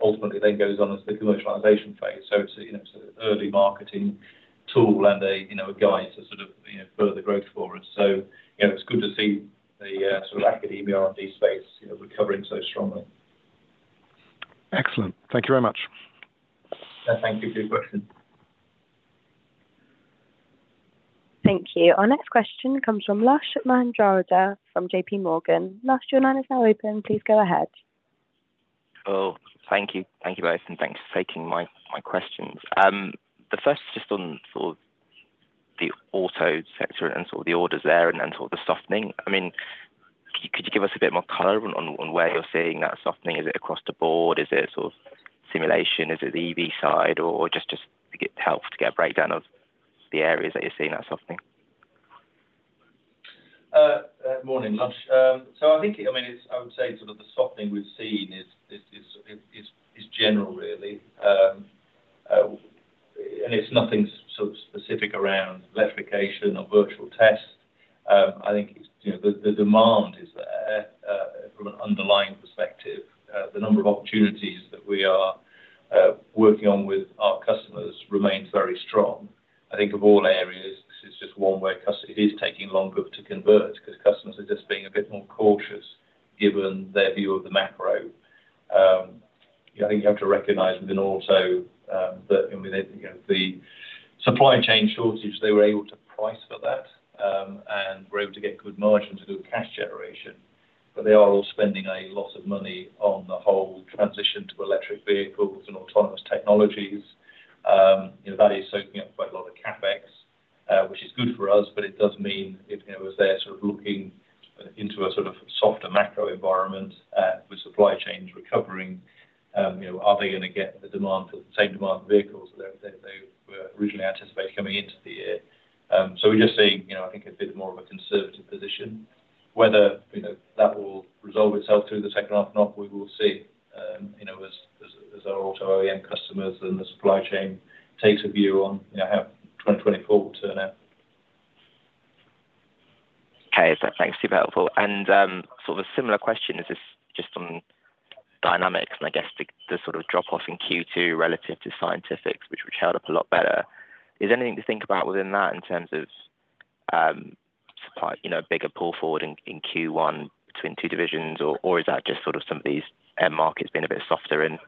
ultimately then goes on as the commercialization phase. It's, you know, it's an early marketing tool and a, you know, a guide to sort of, you know, further growth for us. It's, you know, it's good to see the sort of academia R&D space, you know, recovering so strongly. Excellent. Thank you very much. Thank you. Good question. Thank you. Our next question comes from Lush Mahendrarajah from JPMorgan. Lush, your line is now open. Please go ahead. Oh, thank you. Thank you both, and thanks for taking my, my questions. The first is just on sort of the auto sector and sort of the orders there and, and sort of the softening. I mean, could you give us a bit more color on, on where you're seeing that softening? Is it across the board? Is it sort of simulation, is it the EV side, or just, just to get help to get a breakdown of the areas that you're seeing that softening? Morning, Lush. I think, I mean, I would say sort of the softening we've seen is general, really. It's nothing sort of specific around electrification or virtual tests. I think, you know, the, the demand is there from an underlying perspective. The number of opportunities that we are working on with our customers remains very strong. I think of all areas, this is just one where it is taking longer to convert because customers are just being a bit more cautious given their view of the macro. I think you have to recognize within auto, that, I mean, you know, the supply chain shortage, they were able to price for that, and were able to get good margins, good cash generation, but they are all spending a lot of money on the whole transition to electric vehicles and autonomous technologies. You know, that is soaking up quite a lot of CapEx, which is good for us, but it does mean if, you know, as they're sort of looking into a sort of softer macro environment, with supply chains recovering, you know, are they gonna get the demand for the same demand for vehicles that they, they were originally anticipated coming into the year? We're just seeing, you know, I think, a bit more of a conservative position. Whether, you know, that will resolve itself through the second half or not, we will see, you know, as, as, as our auto OEM customers and the supply chain takes a view on, you know, how 2024 will turn out. Okay. Thanks, super helpful. Sort of a similar question, is this just on Dynamics and I guess the, the sort of drop-off in Q2 relative to Scientific, which, which held up a lot better. Is there anything to think about within that in terms of, you know, a bigger pull forward in, in Q1 between two divisions, or, or is that just sort of some of these end markets being a bit softer in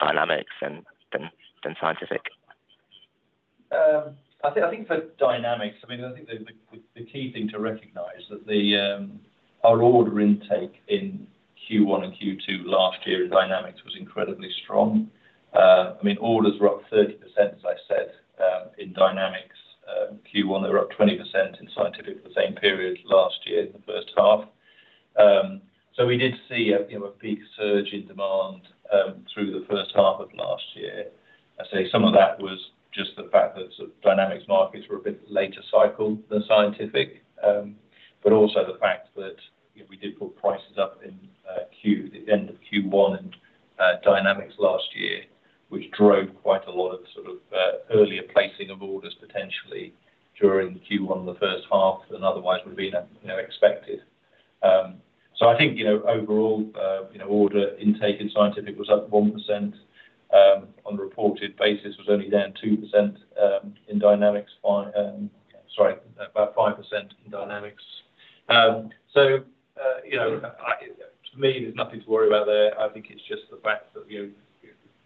Dynamics than, than, than Scientific? I think, I think for Dynamics, I mean, I think the, the, the key thing to recognize that the, our order intake in Q1 and Q2 last year in Dynamics was incredibly strong. I mean, orders were up 30%, as I said, in Dynamics. Q1, they were up 20% in Scientific the same period last year in the first half. We did see a, you know, a peak surge in demand, through the first half of last year. I'd say some of that was just the fact that sort of Dynamics markets were a bit later cycle than scientific, also the fact that, you know, we did put prices up in the end of Q1 in Dynamics last year, which drove quite a lot of sort of earlier placing of orders, potentially during Q1 of the first half than otherwise would have been, you know, expected. I think, you know, overall, you know, order intake in scientific was up 1%, on a reported basis, was only down 2% in Dynamics, sorry, about 5% in Dynamics. You know, I-- to me, there's nothing to worry about there. I think it's just the fact that, you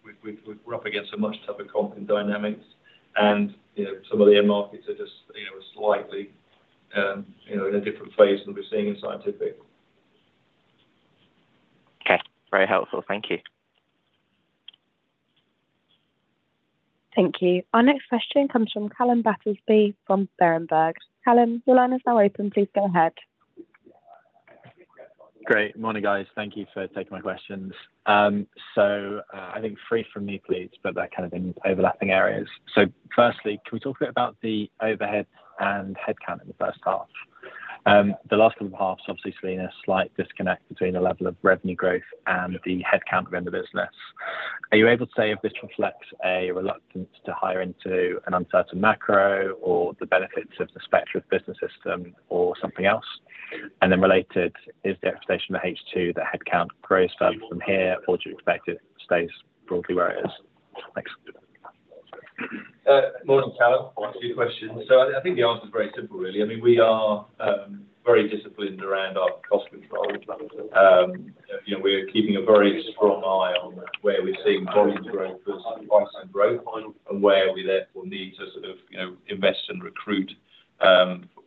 know, we're up against a much tougher comp in Dynamics and, you know, some of the end markets are just, you know, slightly, you know, in a different phase than we're seeing in Scientific. Okay. Very helpful. Thank you. Thank you. Our next question comes from Calum Battersby, from Berenberg. Callum, your line is now open. Please go ahead. Great. Morning, guys. Thank you for taking my questions. I think three from me, please, but they're kind of in overlapping areas. Firstly, can we talk a bit about the overhead and headcount in the first half? The last couple of halves, obviously, seen a slight disconnect between the level of revenue growth and the headcount within the business. Are you able to say if this reflects a reluctance to hire into an uncertain macro or the benefits of the Spectris Business System or something else? Then related, is the expectation that H2, the headcount grows further from here, or do you expect it stays broadly where it is? Thanks. Morning, Calum. Thanks for your question. I think the answer is very simple, really. I mean, we are very disciplined around our cost control. You know, we're keeping a very strong eye on where we're seeing volume growth versus price and growth, and where we therefore need to sort of, you know, invest and recruit,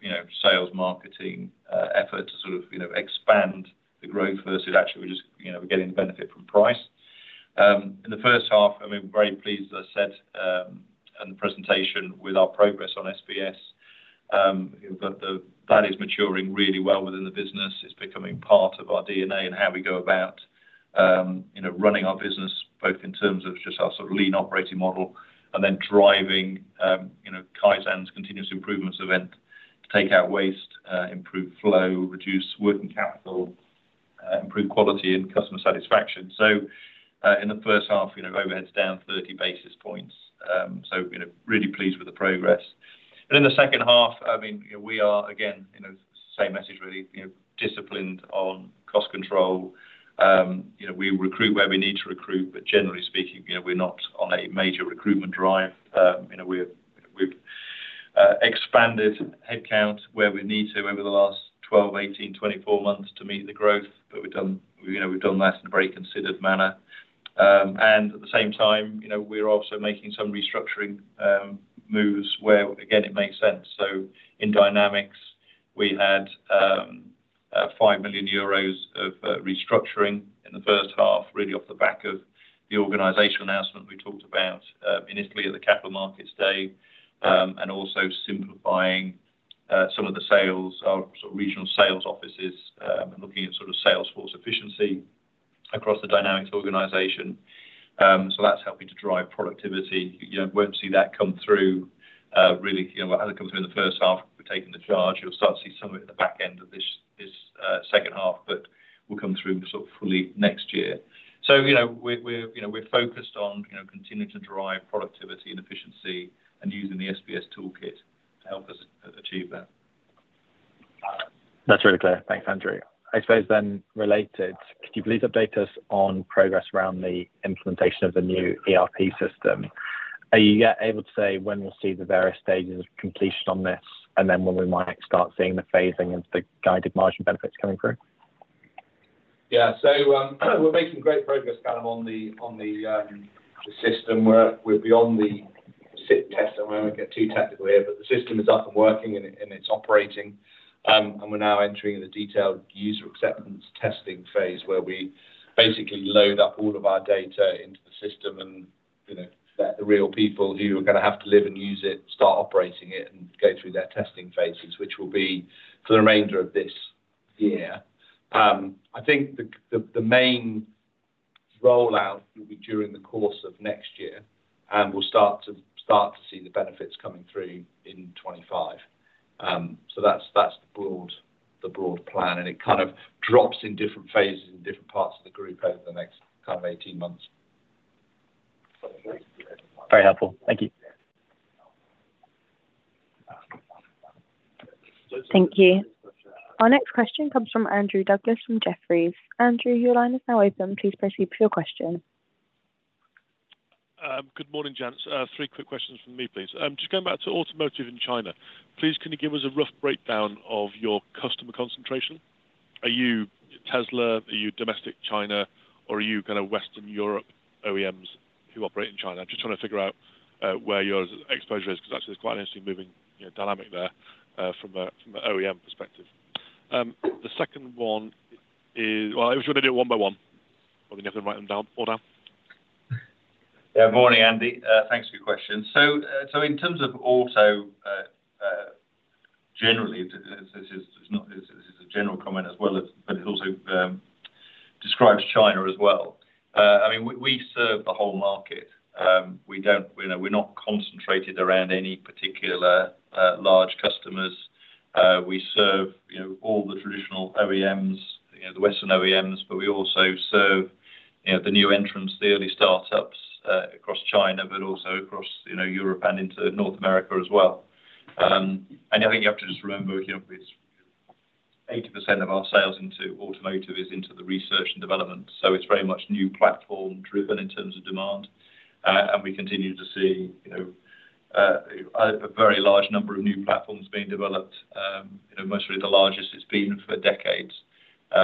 you know, sales, marketing, effort to sort of, you know, expand the growth versus actually just, you know, we're getting the benefit from price. In the first half, I mean, we're very pleased, as I said, in the presentation with our progress on SBS. That is maturing really well within the business. It's becoming part of our DNA and how we go about, you know, running our business, both in terms of just our sort of lean operating model and then driving, you know, Kaizen's continuous improvements event to take out waste, improve flow, reduce working capital, improve quality and customer satisfaction. In the first half, you know, overhead's down 30 basis points. Really pleased with the progress. In the second half, I mean, we are, again, you know, same message really, you know, disciplined on cost control. You know, we recruit where we need to recruit, but generally speaking, you know, we're not on a major recruitment drive. You know, we've, we've expanded headcount where we need to over the last 12, 18, 24 months to meet the growth, but we've done, you know, we've done that in a very considered manner. At the same time, you know, we're also making some restructuring moves where again, it makes sense. In Dynamics, we had 5 million euros of restructuring in the first half, really off the back of the organization announcement we talked about in Italy at the Capital Markets Day, and also simplifying some of the sales, our sort of regional sales offices, and looking at sort of sales force efficiency across the Dynamics organization. That's helping to drive productivity. You know, won't see that come through, really, you know, as it comes through in the first half, we've taken the charge. You'll start to see some of it at the back end of this, this, second half, but we'll come through sort of fully next year. You know, we're, we're, you know, we're focused on, you know, continuing to drive productivity and efficiency and using the SBS toolkit to help us achieve that. That's really clear. Thanks, Andrew. I suppose related, could you please update us on progress around the implementation of the new ERP system? Are you able to say when we'll see the various stages of completion on this, and then when we might start seeing the phasing of the guided margin benefits coming through? Yeah. We're making great progress, Calum, on the, on the, the system. We're beyond the Site Acceptance Test. I won't get too technical here, but the system is up and working, and it, and it's operating. We're now entering the detailed user acceptance testing phase, where we basically load up all of our data into the system and, you know, let the real people who are gonna have to live and use it, start operating it and go through their testing phases, which will be for the remainder of this year. I think the, the, the main rollout will be during the course of next year, and we'll start to, start to see the benefits coming through in 2025. That's, that's the broad, the broad plan, and it kind of drops in different phases in different parts of the group over the next kind of 18 months. Very helpful. Thank you. Thank you. Our next question comes from Andrew Douglas from Jefferies. Andrew, your line is now open. Please proceed with your question. Good morning, gents. Three quick questions from me, please. Just going back to automotive in China, please, can you give us a rough breakdown of your customer concentration? Are you Tesla, are you domestic China, or are you kind of Western Europe OEMs who operate in China? I'm just trying to figure out where your exposure is, because actually, it's quite an interesting moving, you know, dynamic there, from an OEM perspective. The second one is... Well, I just want to do it one by one, or we have to write them down, all down. Yeah. Morning, Andy. Thanks for your question. In terms of auto, generally, this is a general comment as well, but it also describes China as well. I mean, we, we serve the whole market. We don't, you know, we're not concentrated around any particular large customers. We serve, you know, all the traditional OEMs, you know, the Western OEMs, but we also serve, you know, the new entrants, the early startups, across China, but also across, you know, Europe and into North America as well. And I think you have to just remember, you know, it's 80% of our sales into automotive is into the research and development, so it's very much new platform-driven in terms of demand. We continue to see, you know, a very large number of new platforms being developed, you know, mostly the largest it's been for decades. You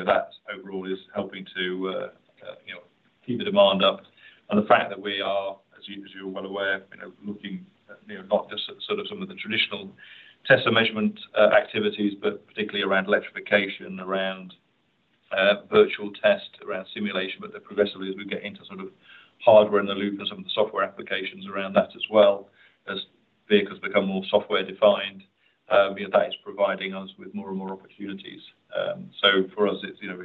know, that overall is helping to, you know, keep the demand up. The fact that we are, as you, as you're well aware, you know, looking, you know, not just at sort of some of the traditional test and measurement activities, but particularly around electrification, around Virtual Test, around simulation, but then progressively, as we get into sort of Hardware-in-the-Loop and some of the software applications around that as well, as vehicles become more software-defined, you know, that is providing us with more and more opportunities. For us, it's, you know,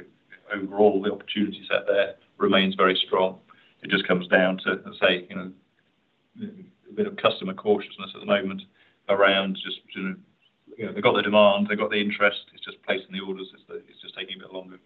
overall, the opportunity set there remains very strong. It just comes down to, say, you know a bit of customer cautiousness at the moment around just, you know, they've got the demand, they've got the interest. It's just placing the orders, it's just, it's just taking a bit longer.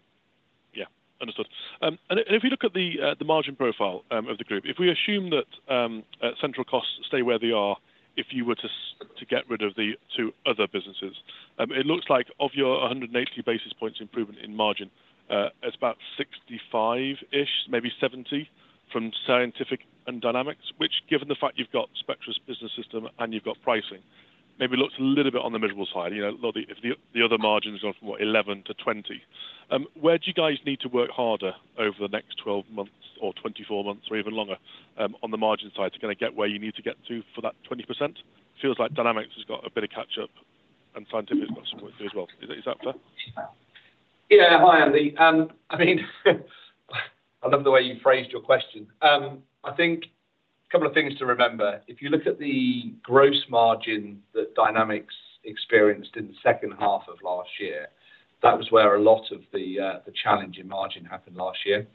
Yeah, understood. If, if you look at the margin profile of the group, if we assume that central costs stay where they are, if you were to get rid of the two other businesses, it looks like of your 180 basis points improvement in margin, it's about 65-ish, maybe 70, from Scientific and Dynamics, which given the fact you've got Spectris Business System and you've got pricing, maybe looks a little bit on the miserable side. You know, if the, if the other margins have gone from what, 11-20. Where do you guys need to work harder over the next 12 months or 24 months or even longer, on the margin side to kinda get where you need to get to for that 20%? Feels like Dynamics has got a bit of catch up, and Scientific has got some point too as well. Is that fair? Yeah. Hi, Andy. I mean, I love the way you phrased your question. I think a couple of things to remember. If you look at the gross margin that Dynamics experienced in the second half of last year, that was where a lot of the, the challenge in margin happened last year.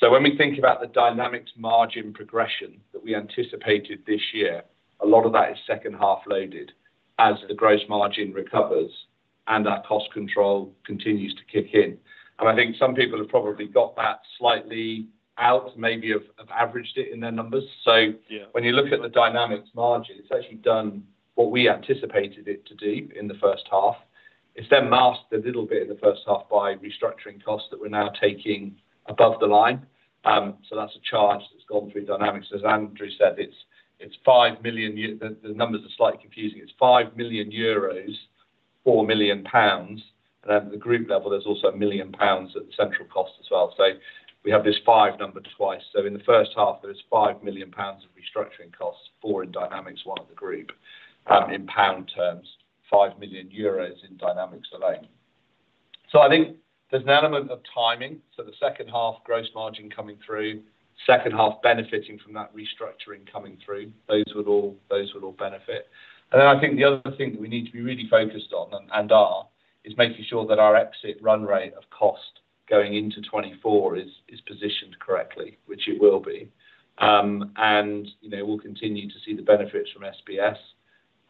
When we think about the Dynamics margin progression that we anticipated this year, a lot of that is second half loaded as the gross margin recovers and our cost control continues to kick in. I think some people have probably got that slightly out, maybe have, have averaged it in their numbers. Yeah. When you look at the Dynamics margin, it's actually done what we anticipated it to do in the first half. It's then masked a little bit in the first half by restructuring costs that we're now taking above the line. That's a charge that's gone through Dynamics. As Andrew said, it's, it's 5 million, the numbers are slightly confusing. It's 5 million euros, 4 million pounds, and at the group level, there's also 1 million pounds at the central cost as well. We have this five number twice. In the first half, there is 5 million pounds of restructuring costs, four in Dynamics, one at the group, in pound terms, 5 million euros in Dynamics alone. I think there's an element of timing. The second half gross margin coming through, second half benefiting from that restructuring coming through, those would all, those would all benefit. I think the other thing that we need to be really focused on, and, and are, is making sure that our exit run rate of cost going into 2024 is, is positioned correctly, which it will be. And, you know, we'll continue to see the benefits from SBS.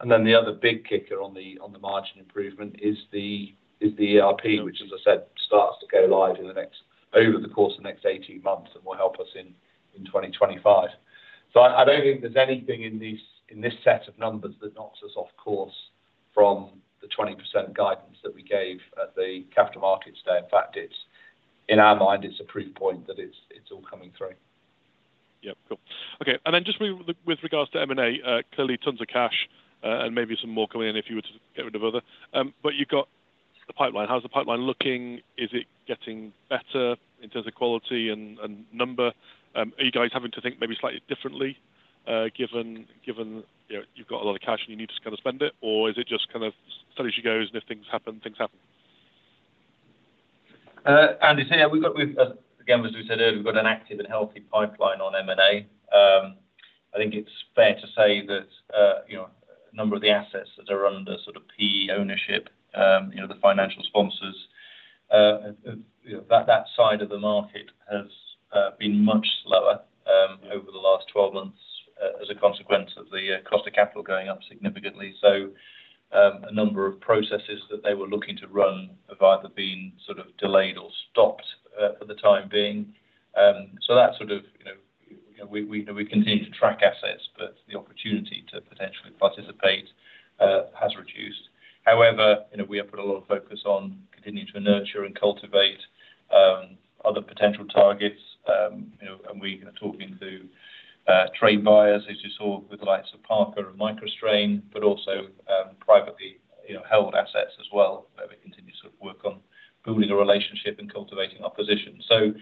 The other big kicker on the, on the margin improvement is the, is the ERP, which, as I said, starts to go live over the course of the next 18 months and will help us in, in 2025. I, I don't think there's anything in this, in this set of numbers that knocks us off course from the 20% guidance that we gave at the Capital Markets Day. In fact, it's, in our mind, it's a proof point that it's, it's all coming through. Yep, cool. Okay. Then just with, with regards to M&A, clearly tons of cash, and maybe some more coming in if you were to get rid of other. You got the pipeline. How's the pipeline looking? Is it getting better in terms of quality and, and number? Are you guys having to think maybe slightly differently, given, given, you know, you've got a lot of cash and you need to kind of spend it, or is it just kind of steady as she goes, and if things happen, things happen? Andy, yeah, we've got, we've again, as we said earlier, we've got an active and healthy pipeline on M&A. I think it's fair to say that, you know, a number of the assets that are under sort of PE ownership, you know, the financial sponsors, you know, that, that side of the market has been much slower over the last 12 months as, as a consequence of the cost of capital going up significantly. A number of processes that they were looking to run have either been sort of delayed or stopped for the time being. That sort of, you know, we, we, we continue to track assets, but the opportunity to potentially participate has reduced. However, you know, we have put a lot of focus on continuing to nurture and cultivate other potential targets, you know, we are talking to trade buyers, as you saw with the likes of Parker Hannifin and MicroStrain, also privately, you know, held assets as well, where we continue to work on building a relationship and cultivating our position. You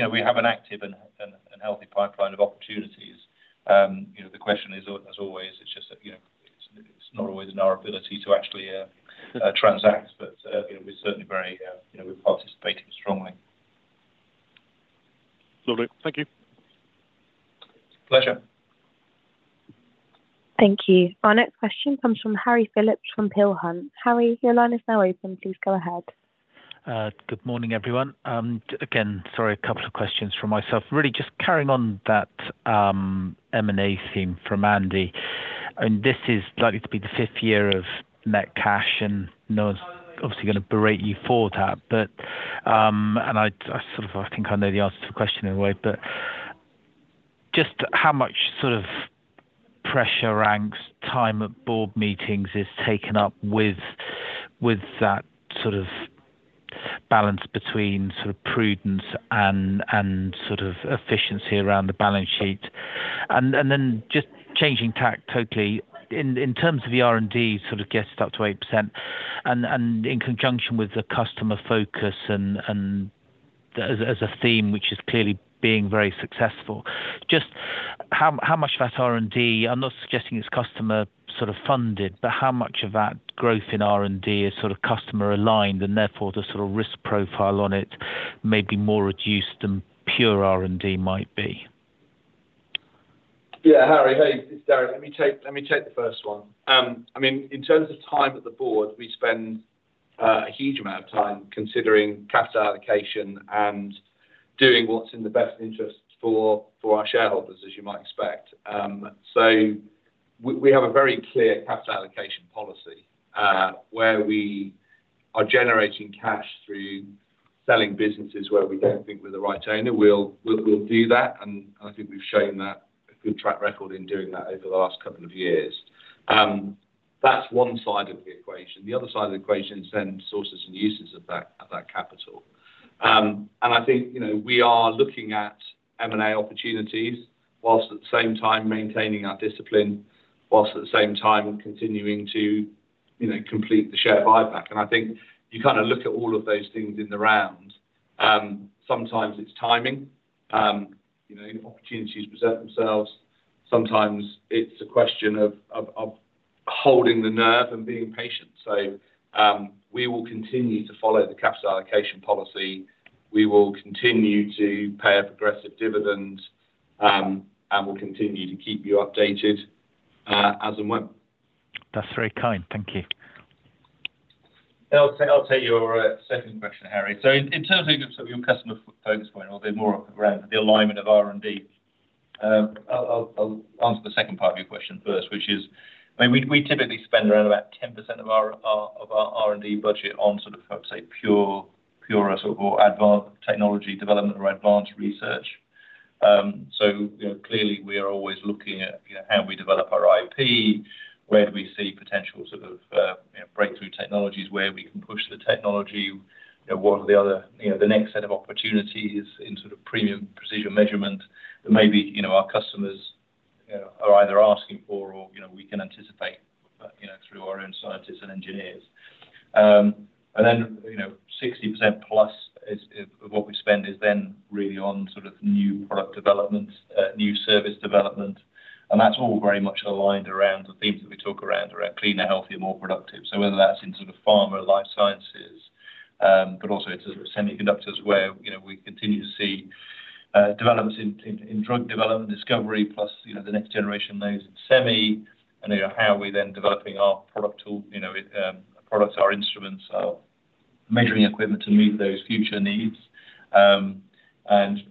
know, we have an active and, and, and healthy pipeline of opportunities. You know, the question is, as always, it's just that, you know, it's, it's not always in our ability to actually transact, you know, we're certainly very, you know, we're participating strongly. Lovely. Thank you. Pleasure. Thank you. Our next question comes from Harry Phillips, from Peel Hunt. Harry, your line is now open. Please go ahead. Good morning, everyone. Again, sorry, a couple of questions from myself. Really just carrying on that M&A theme from Andy. This is likely to be the fifth year of net cash, and no one's obviously going to berate you for that. I, I sort of, I think I know the answer to the question in a way, but just how much sort of pressure ranks, time at board meetings is taken up with, with that sort of balance between sort of prudence and, and sort of efficiency around the balance sheet? Then just changing tack totally, in, in terms of the R&D sort of gets up to 8% and, and in conjunction with the customer focus and, and as, as a theme, which is clearly being very successful, just how, how much of that R&D, I'm not suggesting it's customer sort of funded, but how much of that growth in R&D is sort of customer aligned, and therefore the sort of risk profile on it may be more reduced than pure R&D might be? Yeah, Harry. Hey, it's Derek. Let me take, let me take the first one. I mean, in terms of time at the board, we spend a huge amount of time considering capital allocation and doing what's in the best interest for, for our shareholders, as you might expect. We, we have a very clear capital allocation policy, where we are generating cash through selling businesses where we don't think we're the right owner. We'll, we'll, we'll do that, and I think we've shown that a good track record in doing that over the last couple of years. That's one side of the equation. The other side of the equation is then sources and uses of that, of that capital. I think, you know, we are looking at M&A opportunities, whilst at the same time maintaining our discipline, whilst at the same time continuing to, you know, complete the share buyback. I think you kind of look at all of those things in the round. Sometimes it's timing, you know, if opportunities present themselves, sometimes it's a question of, of, of holding the nerve and being patient. We will continue to follow the capital allocation policy. We will continue to pay a progressive dividend, and we'll continue to keep you updated as and when. That's very kind. Thank you. I'll take, I'll take your second question, Harry. In, in terms of sort of your customer focus point, or a bit more around the alignment of R&D, I'll, I'll, I'll answer the second part of your question first, which is. I mean, we, we typically spend around about 10% of our, our, of our R&D budget on sort of, how to say, pure, pure sort of or technology development or advanced research. So, you know, clearly, we are always looking at, you know, how we develop our IP, where do we see potential sort of, you know, breakthrough technologies, where we can push the technology, you know, what are the other, you know, the next set of opportunities in sort of premium precision measurement that maybe, you know, our customers, you know, are either asking for or, you know, we can anticipate, you know, through our own scientists and engineers. And then, you know, 60%+ is, of what we spend is then really on sort of new product development, new service development, and that's all very much aligned around the themes that we talk around, around cleaner, healthier, more productive. Whether that's in sort of pharma, life sciences, but also it's semiconductors, where, you know, we continue to see, developments in, in, in drug development, discovery, plus, you know, the next generation nodes in semi, and, you know, how are we then developing our product tool, you know, products, our instruments, our measuring equipment to meet those future needs.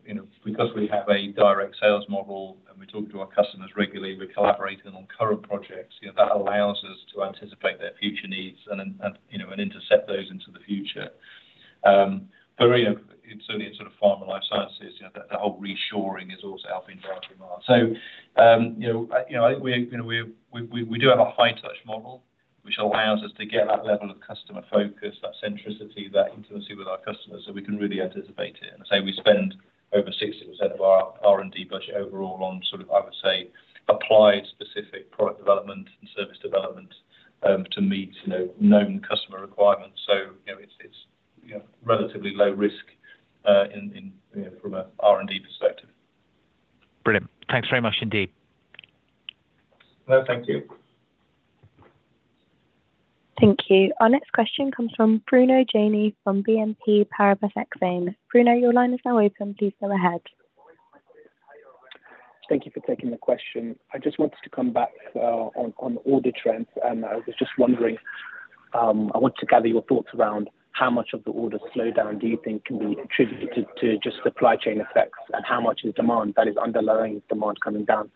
You know, because we have a direct sales model and we talk to our customers regularly, we're collaborating on current projects, you know, that allows us to anticipate their future needs and, and, you know, and intercept those into the future. You know, certainly in sort of pharma, life sciences, you know, that whole reshoring is also helping drive demand. You know, I, you know, I think we, you know, we, we, we do have a high touch model, which allows us to get that level of customer focus, that centricity, that intimacy with our customers, so we can really anticipate it. We spend over 60% of our R&D budget overall on sort of, I would say, applied specific product development and service development, to meet, you know, known customer requirements. You know, it's, it's, you know, relatively low risk, in, in, you know, from a R&D perspective. Brilliant. Thanks very much indeed. No, thank you. Thank you. Our next question comes from Bruno Gjani, from BNP Paribas Exane. Bruno, your line is now open. Please go ahead. Thank you for taking the question. I just wanted to come back on order trends, and I was just wondering, I want to gather your thoughts around how much of the order slowdown do you think can be attributed to just supply chain effects, and how much is demand that is underlying demand coming down?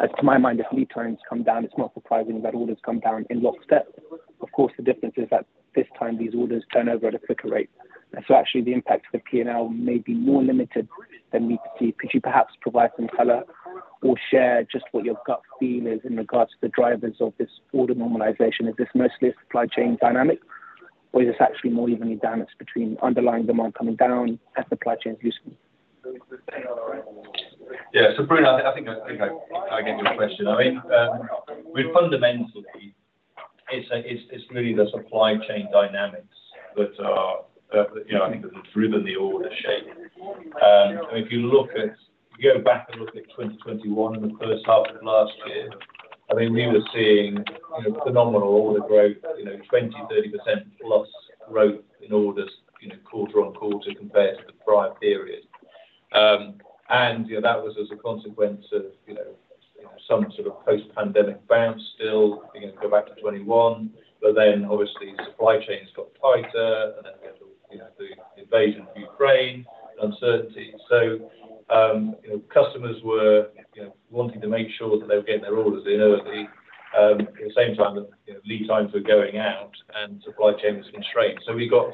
As to my mind, if lead times come down, it's not surprising that orders come down in lockstep. Of course, the difference is that this time, these orders turn over at a quicker rate. So actually, the impact to the P&L may be more limited than we see. Could you perhaps provide some color or share just what your gut feel is in regards to the drivers of this order normalization? Is this mostly a supply chain dynamic, or is this actually more evenly balanced between underlying demand coming down and supply chains loosening? Yeah. Bruno, I, I think I, I get your question. I mean, well, fundamentally, it's a, it's, it's really the supply chain dynamics that are, you know, I think that have driven the order shape. If you look at, you go back and look at 2021, the first half of last year, I mean, we were seeing, you know, phenomenal order growth, you know, 20%-30%+ growth in orders, you know, quarter-on-quarter compared to the prior period. You know, that was as a consequence of, you know, some sort of post-pandemic bounce still, you know, go back to 2021, but then obviously, supply chains got tighter, and then we had, you know, the invasion of Ukraine, uncertainty. You know, customers were, you know, wanting to make sure that they were getting their orders in early. At the same time, you know, lead times were going out and supply chain was constrained. We got,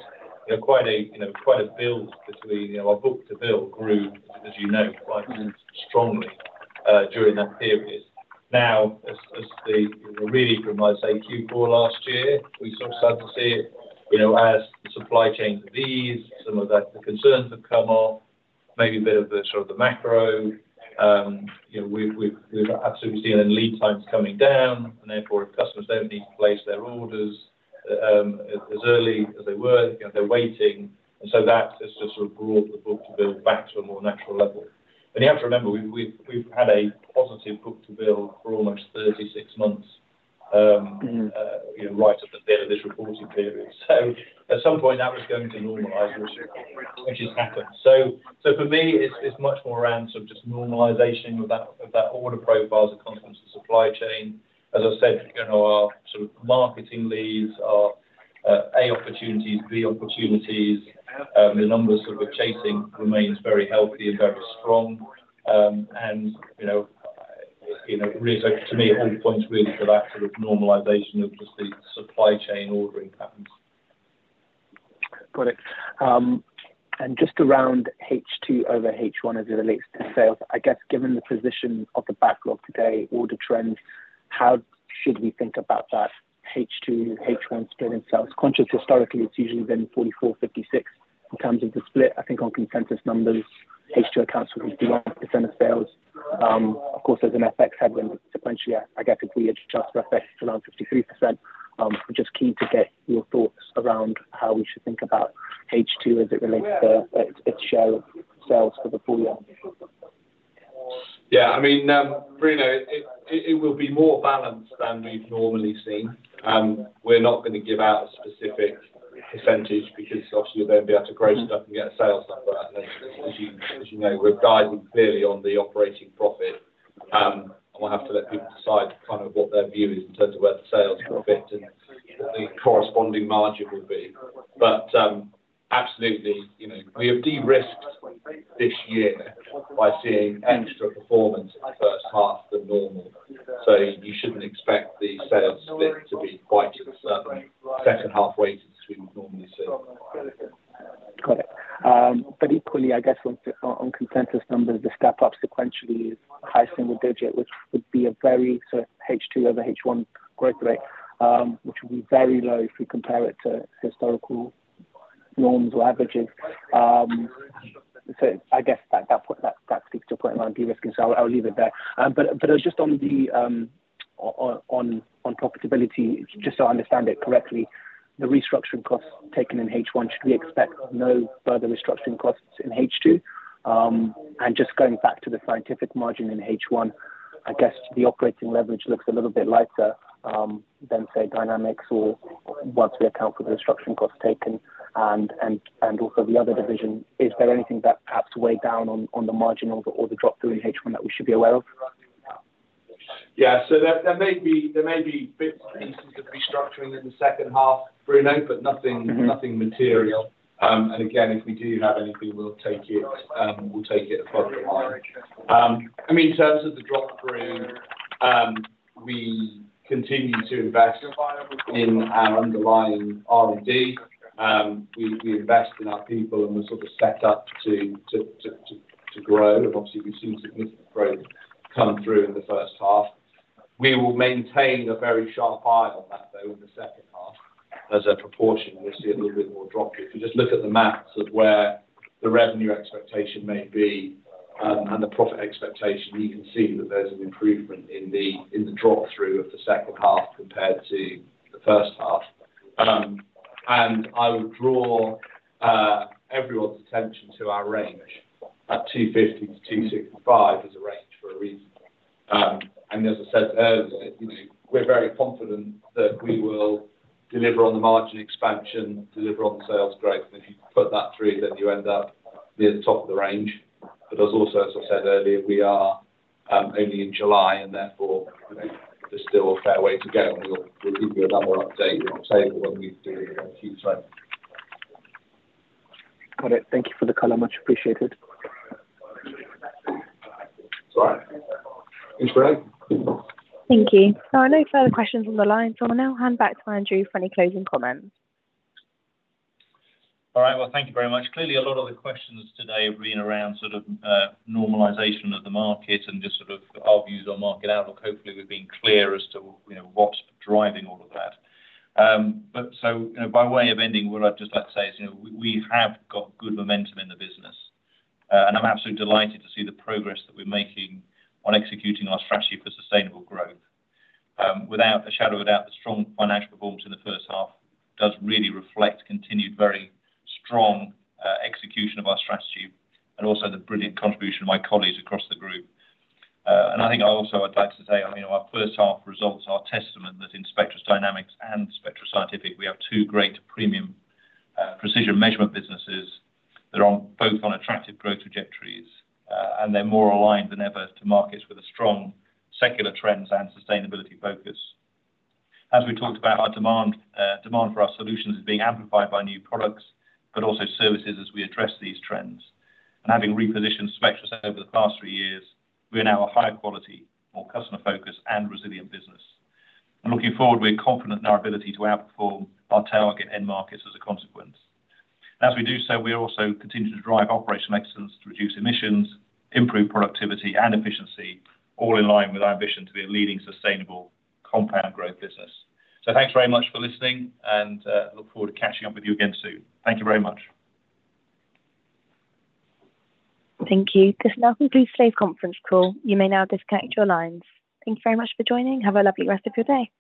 you know, quite a, you know, quite a build between, you know, our book-to-bill grew, as you know, quite strongly during that period. As the, really from, I'd say, Q4 last year, we sort of started to see it, you know, as the supply chains ease, some of that, the concerns have come off, maybe a bit of the sort of the macro. You know, we've, we've, we've absolutely seen the lead times coming down, and therefore, customers don't need to place their orders as early as they were. You know, they're waiting, so that has just sort of brought the book-to-bill back to a more natural level. You have to remember, we've, we've, we've had a positive book-to-bill for almost 36 months. Mm-hmm. You know, right at the end of this reporting period. At some point, that was going to normalize, which, which has happened. For me, it's, it's much more around sort of just normalization of that, of that order profile as a consequence of supply chain. As I said, you know, our sort of marketing leads are, A, opportunities, B, opportunities. The numbers that we're chasing remains very healthy and very strong. You know, you know, really, so to me, it all points really to that sort of normalization of just the supply chain ordering patterns. Got it. Just around H2 over H1 as it relates to sales, I guess, given the position of the backlog today or the trend, how should we think about that H2, H1 split in sales? Conscious historically, it's usually been 44, 56 in terms of the split. I think on consensus numbers, H2 accounts for percentage of sales. Of course, there's an FX happening sequentially. I guess, if we adjust for FX to around 53%, just keen to get your thoughts around how we should think about H2 as it relates to its share of sales for the full year. Yeah, I mean, Bruno, it, it will be more balanced than we've normally seen. We're not going to give out a specific percentage because obviously you'll then be able to grow stuff and get a sales number. As you, as you know, we're guiding clearly on the operating profit. We'll have to let people decide kind of what their view is in terms of where the sales profit and the corresponding margin will be. Absolutely, you know, we have de-risked this year by seeing extra performance in the first half than normal. You shouldn't expect the sales split to be quite as second half weighted as we would normally see. Got it. Equally, I guess, on, on consensus numbers, the step up sequentially is high single digit, which would be a very sort of H2 over H1 growth rate, which would be very low if we compare it to historical norms or averages. I guess that, that, that speaks to your point on de-risking, so I will leave it there. Just on the profitability, just so I understand it correctly, the restructuring costs taken in H1, should we expect no further restructuring costs in H2? Just going back to the Scientific margin in H1, I guess the operating leverage looks a little bit lighter than, say, Dynamics or once we account for the restructuring costs taken and, and, and also the other division. Is there anything that perhaps weigh down on the marginal or the drop through in H1 that we should be aware of? Yeah. There, there may be, there may be bits and pieces of restructuring in the second half, Bruno, but nothing, nothing material. Again, if we do have anything, we'll take it, we'll take it apart. I mean, in terms of the drop through, we continue to invest in our underlying R&D. We, we invest in our people, we're sort of set up to, to, to, to, to grow. Obviously, we've seen significant growth come through in the first half. We will maintain a very sharp eye on that, though, in the second half. As a proportion, we'll see a little bit more drop through. If you just look at the maps of where the revenue expectation may be, and the profit expectation, you can see that there's an improvement in the, in the drop-through of the second half compared to the first half. I would draw everyone's attention to our range. That 250-265 is a range for a reason. As I said earlier, you know, we're very confident that we will deliver on the margin expansion, deliver on the sales growth, and if you put that through, then you end up near the top of the range. There's also, as I said earlier, we are only in July, and therefore, you know, there's still a fair way to go, and we'll, we'll give you a lot more update on table when we do in future. Got it. Thank you for the color. Much appreciated. Right. Thanks, Bruno. Thank you. No further questions on the line. I'll now hand back to Andrew for any closing comments. Well, thank you very much. Clearly, a lot of the questions today have been around sort of, normalization of the market and just sort of our views on market outlook. Hopefully, we've been clear as to, you know, what's driving all of that. You know, by way of ending, what I'd just like to say is, you know, we, we have got good momentum in the business, and I'm absolutely delighted to see the progress that we're making on executing our strategy for sustainable growth. Without a shadow of a doubt, the strong financial performance in the first half does really reflect continued very strong, execution of our strategy and also the brilliant contribution of my colleagues across the group. I think I also would like to say, I mean, our first half results are a testament that in Spectris Dynamics and Spectris Scientific, we have two great premium, precision measurement businesses that are both on attractive growth trajectories, and they're more aligned than ever to markets with a strong secular trends and sustainability focus. As we talked about, our demand, demand for our solutions is being amplified by new products, but also services as we address these trends. Having repositioned Spectris over the past three years, we are now a higher quality, more customer-focused, and resilient business. Looking forward, we're confident in our ability to outperform our target end markets as a consequence. As we do so, we are also continuing to drive operational excellence to reduce emissions, improve productivity and efficiency, all in line with our ambition to be a leading sustainable compound growth business. Thanks very much for listening, and look forward to catching up with you again soon. Thank you very much. Thank you. This now completes today's conference call. You may now disconnect your lines. Thank you very much for joining. Have a lovely rest of your day.